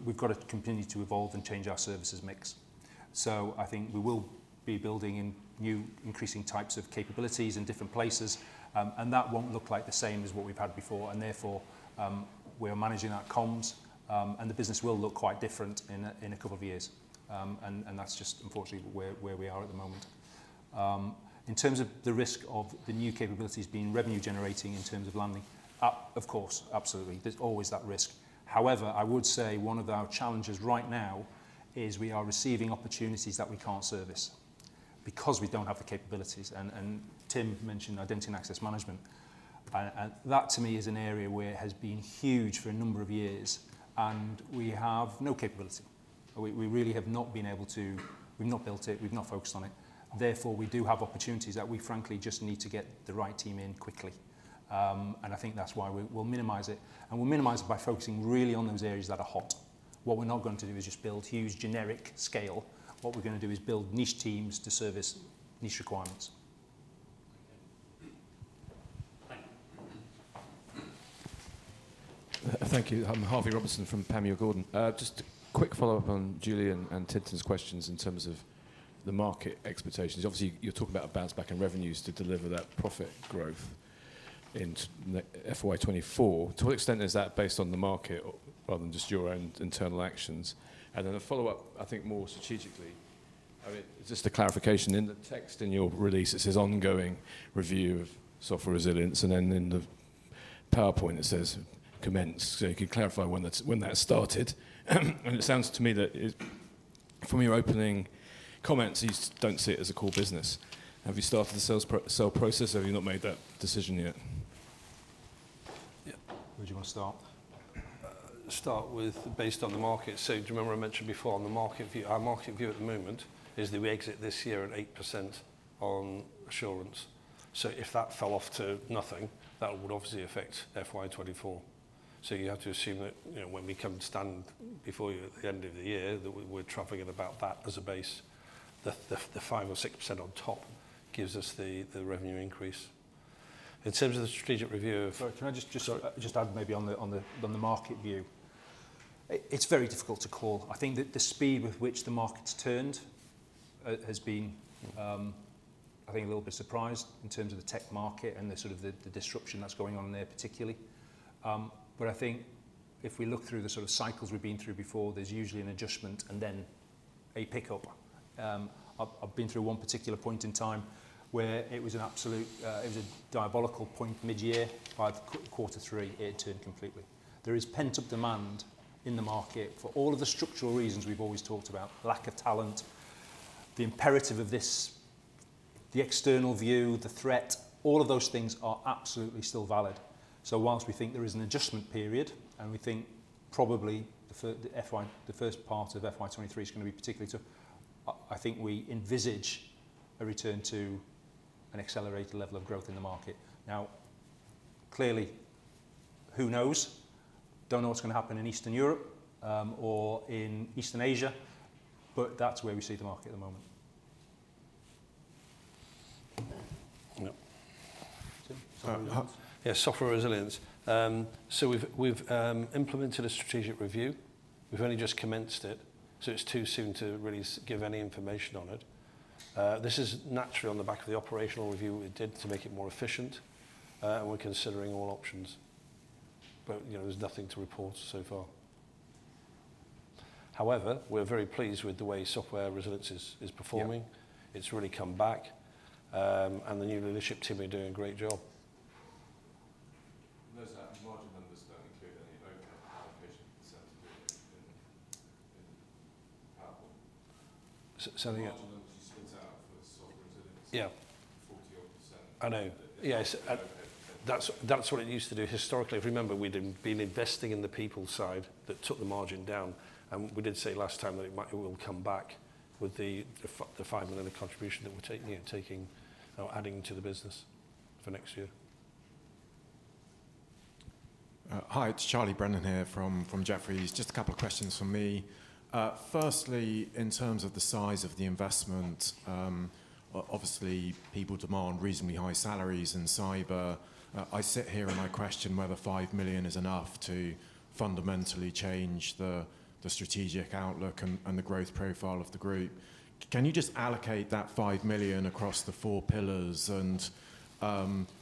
we've got to continue to evolve and change our services mix. I think we will be building in new increasing types of capabilities in different places, and that won't look like the same as what we've had before and therefore, we're managing our comms, and the business will look quite different in a couple of years. That's just unfortunately where we are at the moment. In terms of the risk of the new capabilities being revenue generating in terms of landing, of course, absolutely. There's always that risk. However, I would say one of our challenges right now is we are receiving opportunities that we can't service because we don't have the capabilities. Tim mentioned identity and access management. That to me is an area where it has been huge for a number of years, and we have no capability. We really have not been able to. We've not built it, we've not focused on it, therefore, we do have opportunities that we frankly just need to get the right team in quickly. I think that's why we'll minimize it, and we'll minimize it by focusing really on those areas that are hot. What we're not going to do is just build huge generic scale. What we're going to do is build niche teams to service niche requirements. Okay. Thank you. Thank you. I'm Harvey Robinson from Panmure Gordon. Just a quick follow-up on Julian and Timon's questions in terms of the market expectations. Obviously, you talk about a bounce back in revenues to deliver that profit growth in FY24. To what extent is that based on the market rather than just your own internal actions? A follow-up, I think, more strategically. I mean, just a clarification. In the text in your release, it says ongoing review of Software Resilience, and then in the PowerPoint it says commence. If you could clarify when that started. It sounds to me that from your opening comments, you don't see it as a core business. Have you started the sale process or have you not made that decision yet? Yeah. Where do you wanna start? Start with based on the market. Do you remember I mentioned before on the market view, our market view at the moment is that we exit this year at 8% on assurance. If that fell off to nothing, that would obviously affect FY24. You have to assume that, you know, when we come and stand before you at the end of the year, that we're trafficking about that as a base. The 5% or 6% on top gives us the revenue increase. In terms of the strategic review. Sorry, can I just add maybe on the market view. It's very difficult to call. I think the speed with which the market's turned, has been, I think a little bit surprised in terms of the tech market and the sort of the disruption that's going on there particularly. I think if we look through the sort of cycles we've been through before, there's usually an adjustment and then a pickup. I've been through one particular point in time where it was an absolute, it was a diabolical point mid-year. By quarter three, it turned completely. There is pent-up demand in the market for all of the structural reasons we've always talked about: lack of talent, the imperative of this, the external view, the threat. All of those things are absolutely still valid. Whilst we think there is an adjustment period, and we think probably the FY, the first part of FY23 is gonna be particularly tough, I think we envisage a return to an accelerated level of growth in the market. Clearly, who knows? Don't know what's gonna happen in Eastern Europe, or in Eastern Asia, that's where we see the market at the moment. Yeah. Tim. Yeah, Software Resilience. We've implemented a strategic review. We've only just commenced it, so it's too soon to really give any information on it. This is naturally on the back of the operational review we did to make it more efficient. We're considering all options. You know, there's nothing to report so far. However, we're very pleased with the way Software Resilience is performing. Yeah. It's really come back. The new leadership team are doing a great job. I notice that margin numbers don't include any open application sensitivity in PowerPoint. something else. Margin numbers you split out for Software Resilience... Yeah 40-odd %- I know. Yes. That's what it used to do historically. If you remember, we'd been investing in the people side that took the margin down. We did say last time that it will come back with the 5 million contribution that we're taking or adding to the business for next year. Hi. It's Charles Brennan here from Jefferies. Just a couple of questions from me. Firstly, in terms of the size of the investment, obviously, people demand reasonably high salaries in cyber. I sit here, and I question whether 5 million is enough to fundamentally change the strategic outlook and the growth profile of the group? Can you just allocate that 5 million across the 4 pillars?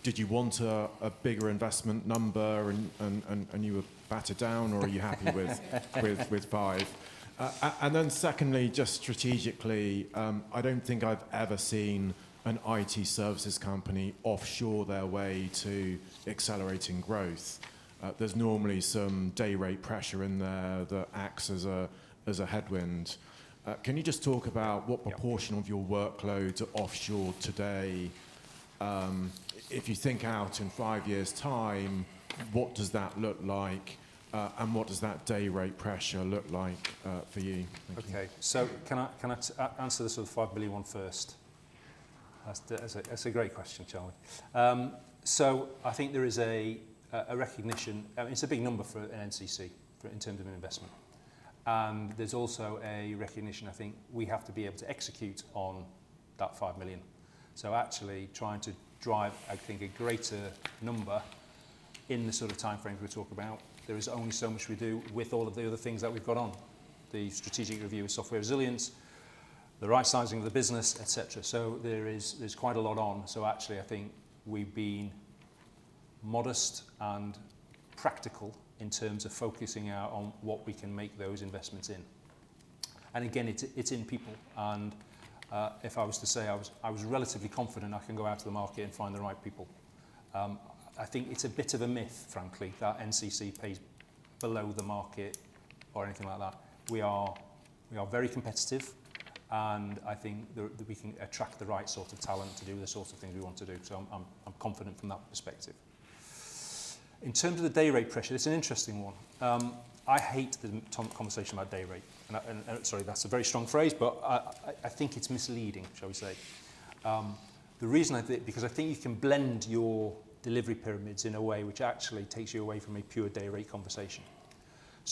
Did you want a bigger investment number and you were battered down, or are you happy with 5? Then secondly, just strategically, I don't think I've ever seen an IT services company offshore their way to accelerating growth. There's normally some day rate pressure in there that acts as a headwind. Yeah. -proportion of your workloads are offshore today? If you think out in five years' time, what does that look like, and what does that day rate pressure look like for you? Thank you. Okay. Can I, can I answer the sort of 5 million one first? That's the, that's a, that's a great question, Charlie. I think there is a recognition. It's a big number for NCC for, in terms of an investment. There's also a recognition, I think, we have to be able to execute on that 5 million. Actually trying to drive, I think, a greater number in the sort of timeframes we talk about, there is only so much we do with all of the other things that we've got on. The strategic review of Software Resilience, the right sizing of the business, et cetera. There is, there's quite a lot on. Actually, I think we've been modest and practical in terms of focusing out on what we can make those investments in. Again, it's in people and if I was to say I was relatively confident I can go out to the market and find the right people. I think it's a bit of a myth, frankly, that NCC pays below the market or anything like that. We are very competitive, and I think that we can attract the right sort of talent to do the sorts of things we want to do. I'm confident from that perspective. In terms of the day rate pressure, it's an interesting one. I hate the conversation about day rate, and sorry, that's a very strong phrase, but I think it's misleading, shall we say. The reason I think because I think you can blend your delivery pyramids in a way which actually takes you away from a pure day rate conversation.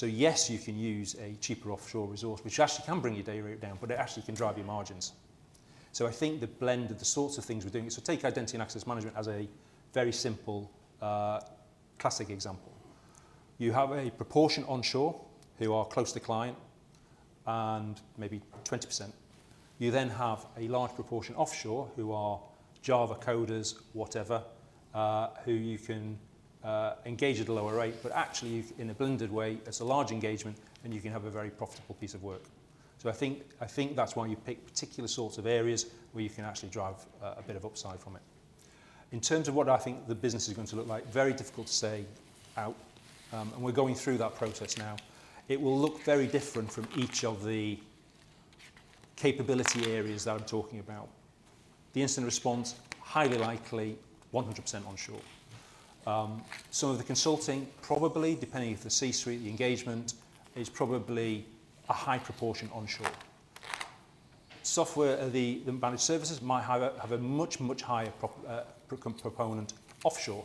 Yes, you can use a cheaper offshore resource, which actually can bring your day rate down, but it actually can drive your margins. I think the blend of the sorts of things we're doing. Take identity and access management as a very simple, classic example. You have a proportion onshore who are close to client and maybe 20%. You have a large proportion offshore who are Java coders, whatever, who you can engage at a lower rate, but actually in a blended way, it's a large engagement, and you can have a very profitable piece of work. I think that's why you pick particular sorts of areas where you can actually drive a bit of upside from it. In terms of what I think the business is going to look like, very difficult to say out, and we're going through that process now. It will look very different from each of the capability areas that I'm talking about. The incident response, highly likely 100% onshore. Some of the consulting probably, depending if the C-suite, the engagement, is probably a high proportion onshore. Software, the managed services might have a much higher pro-component offshore,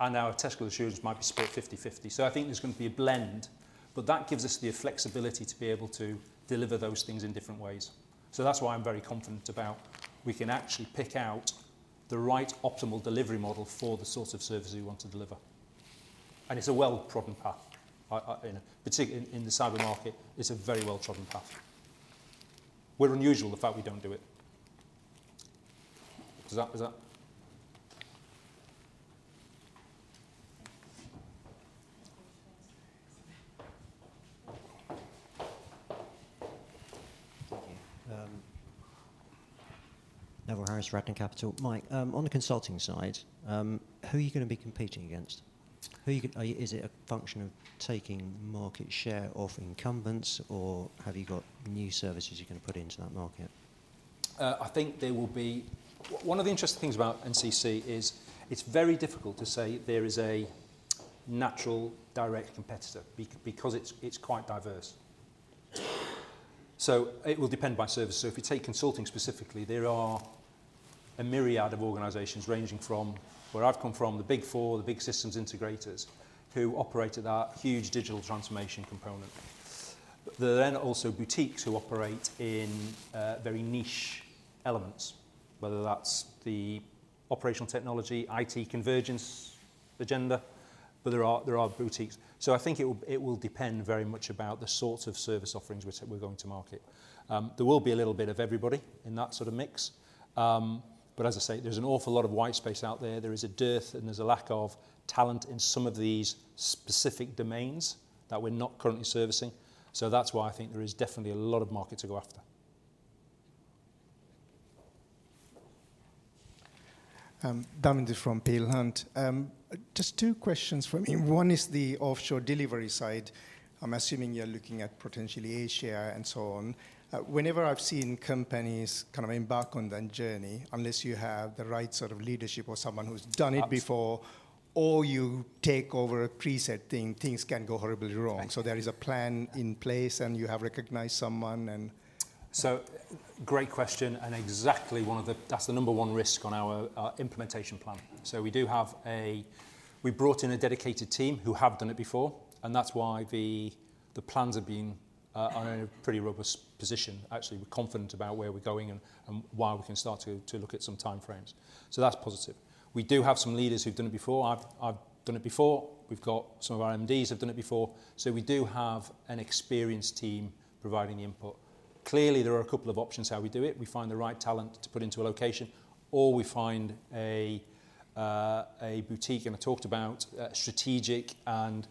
and our technical assurance might be split 50/50. I think there's gonna be a blend, but that gives us the flexibility to be able to deliver those things in different ways. That's why I'm very confident about we can actually pick out the right optimal delivery model for the sort of services we want to deliver. It's a well-trodden path. In the cyber market, it's a very well-trodden path. We're unusual, the fact we don't do it. Does that? Thank you. Thank you. Neville Harris, Radnor Capital. Mike, on the consulting side, who are you gonna be competing against? Are, is it a function of taking market share off incumbents, or have you got new services you're gonna put into that market? I think there will be one of the interesting things about NCC is it's very difficult to say there is a natural direct competitor because it's quite diverse. It will depend by service. If you take consulting specifically, there are a myriad of organizations ranging from where I've come from, the big four, the big systems integrators who operate at that huge digital transformation component. There are then also boutiques who operate in very niche elements, whether that's the operational technology, IT convergence agenda, but there are boutiques. I think it will depend very much about the sorts of service offerings which we're going to market. There will be a little bit of everybody in that sort of mix. As I say, there's an awful lot of white space out there. There is a dearth, and there's a lack of talent in some of these specific domains that we're not currently servicing. That's why I think there is definitely a lot of market to go after. Damindu from Peel Hunt. Just 2 questions from me. One is the offshore delivery side. I'm assuming you're looking at potentially Asia and so on. Whenever I've seen companies kind of embark on that journey, unless you have the right sort of leadership or someone who's done it before. Absolutely. You take over a preset thing, things can go horribly wrong. Thank you. There is a plan in place, and you have recognized someone... Great question, and exactly one of the-- that's the number 1 risk on our implementation plan. We do have a-- We brought in a dedicated team who have done it before, and that's why the plans have been are in a pretty robust position. Actually, we're confident about where we're going and while we can start to look at some timeframes. That's positive. We do have some leaders who've done it before. I've done it before. We've got some of our MDs have done it before. We do have an experienced team providing the input. Clearly, there are a couple of options how we do it. We find the right talent to put into a location, or we find a boutique. I talked about strategic and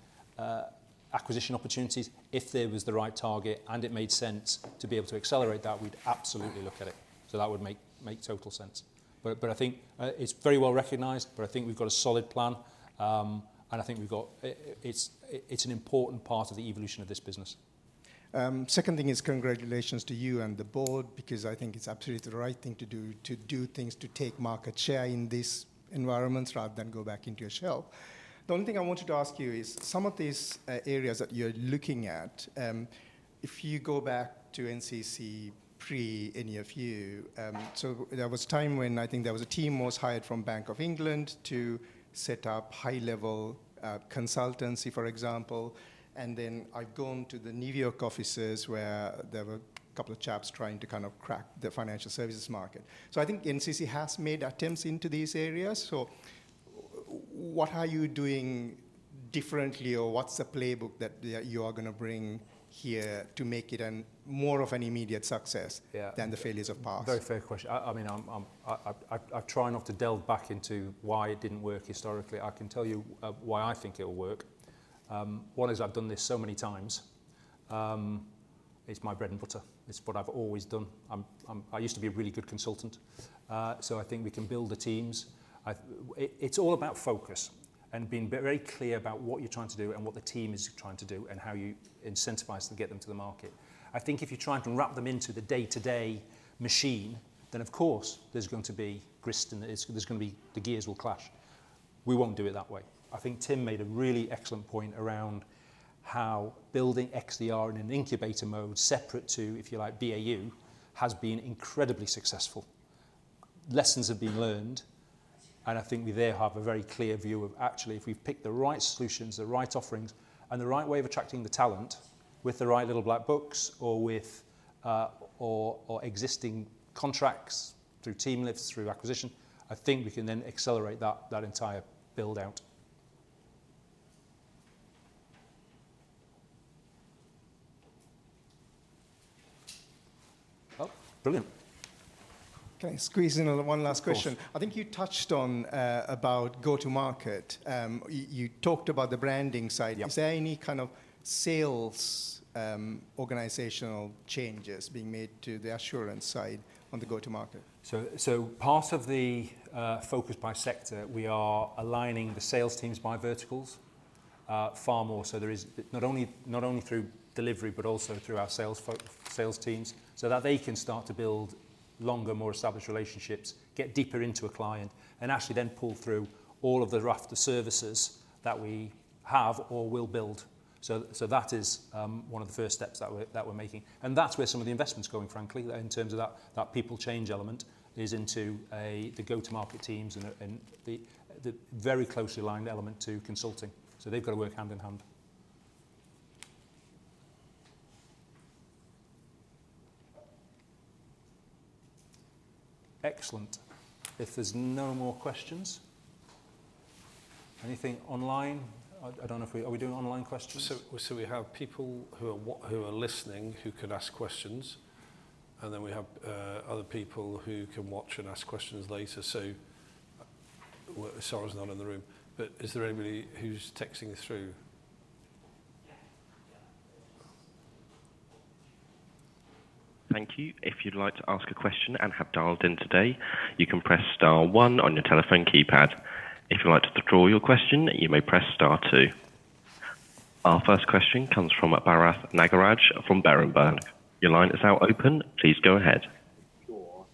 acquisition opportunities. If there was the right target and it made sense to be able to accelerate that, we'd absolutely look at it. That would make total sense. I think it's very well-recognized, but I think we've got a solid plan, and I think we've got it's an important part of the evolution of this business. Second thing is congratulations to you and the board because I think it's absolutely the right thing to do, to do things to take market share in this environment rather than go back into your shell. The only thing I wanted to ask you is some of these areas that you're looking at, if you go back to NCC pre any of you, there was a time when I think there was a team was hired from Bank of England to set up high-level consultancy, for example, and then I've gone to the New York offices where there were a couple of chaps trying to kind of crack the financial services market. I think NCC has made attempts into these areas. What are you doing differently, or what's the playbook that you are gonna bring here to make it an more of an immediate success-? Yeah than the failures of past? Very fair question. I mean, I'm, I try not to delve back into why it didn't work historically. I can tell you why I think it will work. One is I've done this so many times. It's my bread and butter. It's what I've always done. I used to be a really good consultant, so I think we can build the teams. It's all about focus and being very clear about what you're trying to do and what the team is trying to do and how you incentivize to get them to the market. I think if you try to wrap them into the day-to-day machine, then of course there's going to be grist and there's gonna be the gears will clash. We won't do it that way. I think Tim made a really excellent point around how building XDR in an incubator mode separate to, if you like, BAU, has been incredibly successful. Lessons have been learned, and I think we there have a very clear view of actually, if we've picked the right solutions, the right offerings and the right way of attracting the talent with the right little black books or with or existing contracts through team lifts, through acquisition, I think we can then accelerate that entire build-out. Well, brilliant. Can I squeeze in one last question? Of course. I think you touched on, about go-to-market. You talked about the branding side. Yep. Is there any kind of sales, organizational changes being made to the assurance side on the go-to-market? Part of the focus by sector, we are aligning the sales teams by verticals, far more. There is not only through delivery, but also through our sales teams, so that they can start to build longer, more established relationships, get deeper into a client, and actually then pull through all of the raft of services that we have or will build. That is one of the first steps that we're making, and that's where some of the investment's going, frankly, in terms of that people change element is into the go-to-market teams and the very closely aligned element to consulting. They've got to work hand in hand. Excellent. If there's no more questions. Anything online? I don't know if we. Are we doing online questions? So we have people who are listening, who can ask questions, and then we have other people who can watch and ask questions later. Sara's not in the room. Is there anybody who's texting us through? Thank you. If you'd like to ask a question and have dialed in today, you can press star one on your telephone keypad. If you'd like to withdraw your question, you may press star two. Our first question comes from Bharath Nagaraj from Berenberg. Your line is now open. Please go ahead. Sure.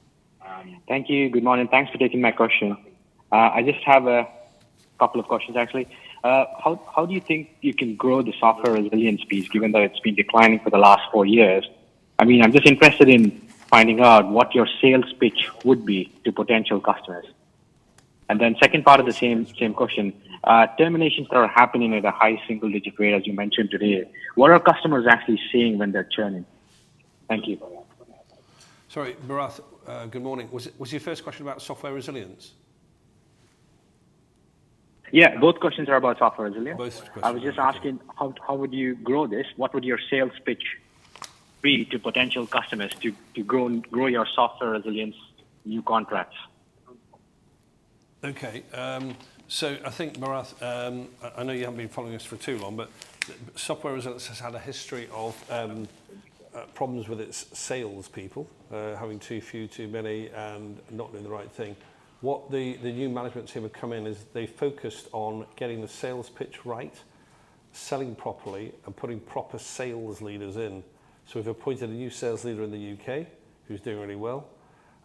Thank you. Good morning. Thanks for taking my question. I just have a couple of questions, actually. How do you think you can grow the Software Resilience piece given that it's been declining for the last four years? I mean, I'm just interested in finding out what your sales pitch would be to potential customers. Second part of the same question. Terminations are happening at a high single-digit rate, as you mentioned today. What are customers actually seeing when they're churning? Thank you. Sorry, Bharath, good morning. Was your first question about Software Resilience? Yeah, both questions are about Software Resilience. Both questions are about Software Resilience. I was just asking how would you grow this? What would your sales pitch be to potential customers to grow your Software Resilience new contracts? I think Bharath, I know you haven't been following us for too long, but Software Resilience has had a history of problems with its salespeople, having too few, too many, and not doing the right thing. What the new management team have come in is they've focused on getting the sales pitch right, selling properly, and putting proper sales leaders in. We've appointed a new sales leader in the UK, who's doing really well.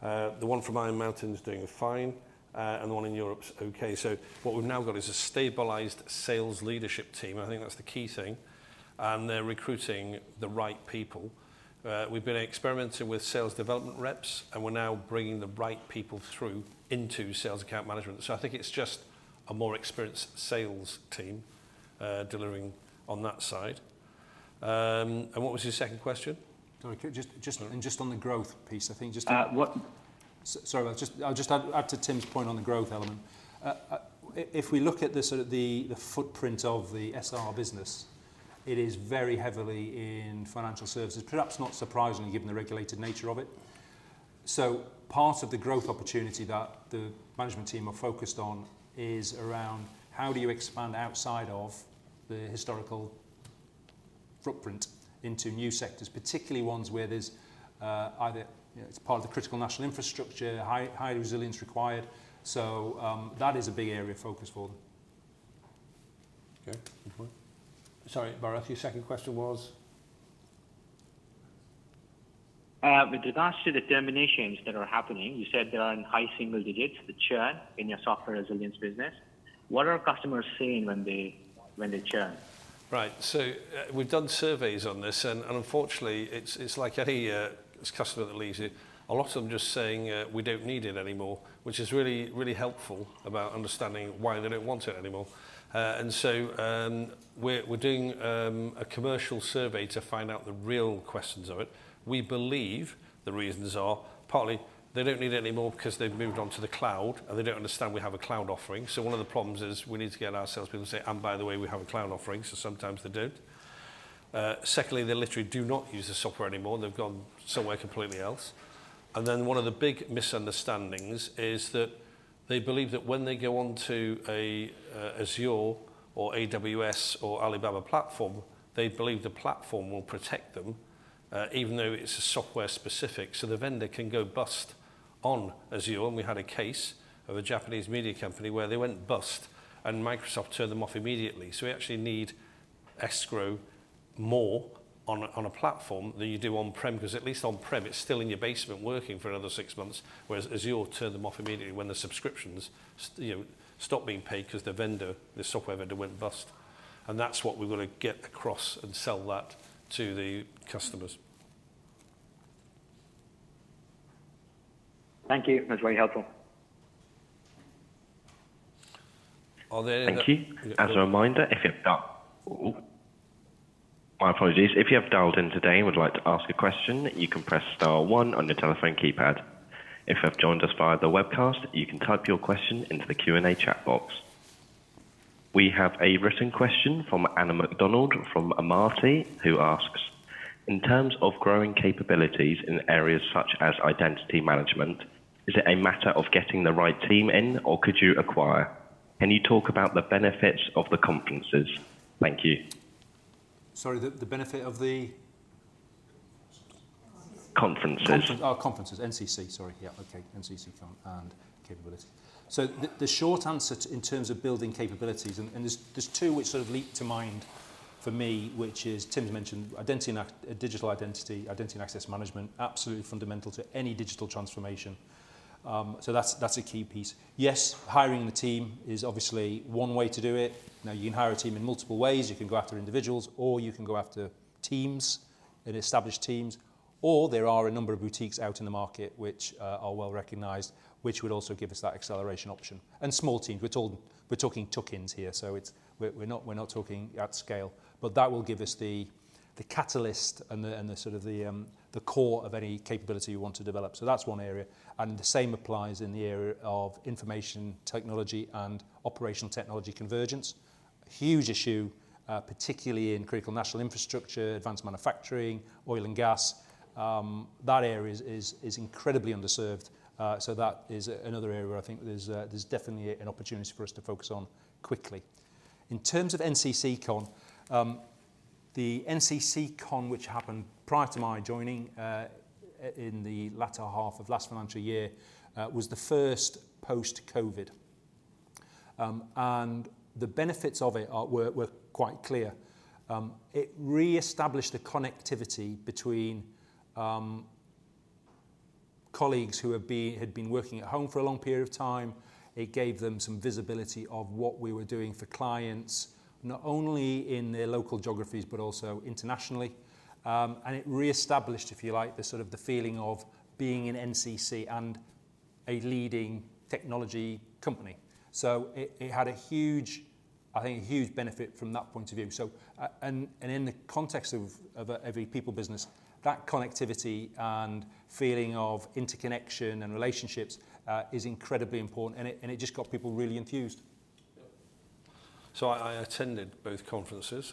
The one from Iron Mountain is doing fine, and the one in Europe's okay. What we've now got is a stabilized sales leadership team, and I think that's the key thing, and they're recruiting the right people. We've been experimenting with sales development reps, and we're now bringing the right people through into sales account management. I think it's just a more experienced sales team delivering on that side. What was your second question? Sorry. Just on the growth piece, I think sorry, I'll just add to Tim's point on the growth element. If we look at the sort of the footprint of the SR business, it is very heavily in financial services, perhaps not surprisingly given the regulated nature of it. Part of the growth opportunity that the management team are focused on is around how do you expand outside of the historical footprint into new sectors, particularly ones where there's either, you know, it's part of the critical national infrastructure, high resilience required. That is a big area of focus for them. Okay. Good point. Sorry, Bharath, your second question was? With regards to the terminations that are happening, you said they are in high single digits, the churn in your Software Resilience business. What are customers saying when they churn? Right. We've done surveys on this and, unfortunately, it's like any customer that leaves you. A lot of them just saying, we don't need it anymore, which is really, really helpful about understanding why they don't want it anymore. We're doing a commercial survey to find out the real questions of it. We believe the reasons are partly they don't need it anymore 'cause they've moved on to the cloud, and they don't understand we have a cloud offering. One of the problems is we need to get our salespeople to say, "And by the way, we have a cloud offering," so sometimes they don't. Secondly, they literally do not use the software anymore, and they've gone somewhere completely else. One of the big misunderstandings is that they believe that when they go onto a Azure or AWS or Alibaba platform, they believe the platform will protect them, even though it's software-specific. The vendor can go bust on Azure, and we had a case of a Japanese media company where they went bust, and Microsoft turned them off immediately. We actually need escrow more on a platform than you do on-prem, 'cause at least on-prem, it's still in your basement working for another six months, whereas Azure turn them off immediately when the subscriptions, you know, stop being paid 'cause the vendor, the software vendor went bust. That's what we've got to get across and sell that to the customers. Thank you. That's very helpful. Are there- Thank you. As a reminder, If you have dialed in today and would like to ask a question, you can press star one on your telephone keypad. If you have joined us via the webcast, you can type your question into the Q&A chat box. We have a written question from Anna Macdonald from Amati, who asks, "In terms of growing capabilities in areas such as identity management, is it a matter of getting the right team in, or could you acquire? Can you talk about the benefits of the conferences?" Thank you. Sorry, the benefit of the... Conferences. Conference. Conferences. NCC, sorry. Yeah. Okay. NCC Con and capabilities. The short answer to in terms of building capabilities, and there's two which sort of leap to mind for me, which is Tim's mentioned digital identity and access management, absolutely fundamental to any digital transformation. That's a key piece. Yes, hiring the team is obviously one way to do it. Now, you can hire a team in multiple ways. You can go after individuals, or you can go after teams and establish teams, or there are a number of boutiques out in the market which are well-recognized, which would also give us that acceleration option. Small teams. We're talking tokens here, so we're not talking at scale. That will give us the catalyst and the sort of the core of any capability you want to develop. That's one area, and the same applies in the area of information technology and operational technology convergence. A huge issue, particularly in critical national infrastructure, advanced manufacturing, oil and gas. That area is incredibly underserved. That is another area where I think there's definitely an opportunity for us to focus on quickly. In terms of NCC Con, the NCC Con which happened prior to my joining in the latter half of last financial year, was the first post-COVID. The benefits of it are quite clear. It reestablished the connectivity between colleagues who had been working at home for a long period of time. It gave them some visibility of what we were doing for clients, not only in their local geographies but also internationally. It reestablished, if you like, the sort of the feeling of being an NCC and a leading technology company. It, it had a huge, I think a huge benefit from that point of view. In the context of a people business, that connectivity and feeling of interconnection and relationships is incredibly important, and it, and it just got people really enthused. I attended both conferences,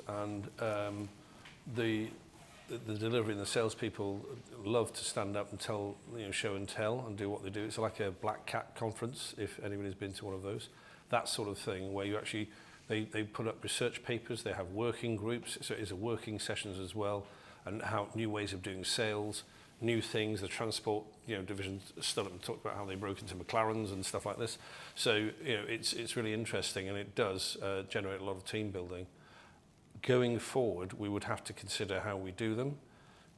the delivery and the salespeople love to stand up and tell, you know, show and tell and do what they do. It's like a Black Hat conference, if anybody's been to one of those. That sort of thing, where you actually. They, they put up research papers. They have working groups, so it's working sessions as well, and how new ways of doing sales, new things. The transport, you know, division stood up and talked about how they broke into McLaren and stuff like this. You know, it's really interesting, and it does generate a lot of team building. Going forward, we would have to consider how we do them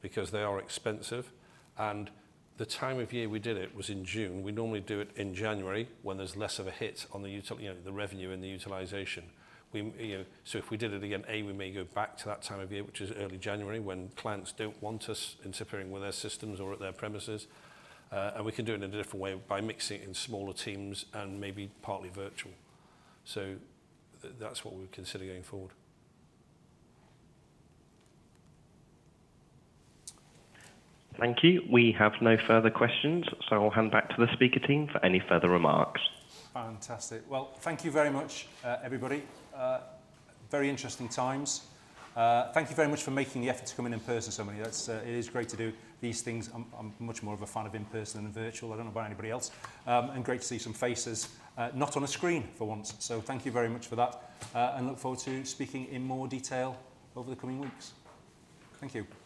because they are expensive, and the time of year we did it was in June. We normally do it in January when there's less of a hit on the, you know, the revenue and the utilization. We, you know, so if we did it again, A, we may go back to that time of year, which is early January, when clients don't want us interfering with their systems or at their premises, and we can do it in a different way by mixing in smaller teams and maybe partly virtual. That's what we'll consider going forward. Thank you. We have no further questions, so I'll hand back to the speaker team for any further remarks. Fantastic. Well, thank you very much, everybody. Very interesting times. Thank you very much for making the effort to come in in person, so many. That's, it is great to do these things. I'm much more of a fan of in-person than virtual. I don't know about anybody else. Great to see some faces, not on a screen for once. Thank you very much for that, and look forward to speaking in more detail over the coming weeks. Thank you. Thanks.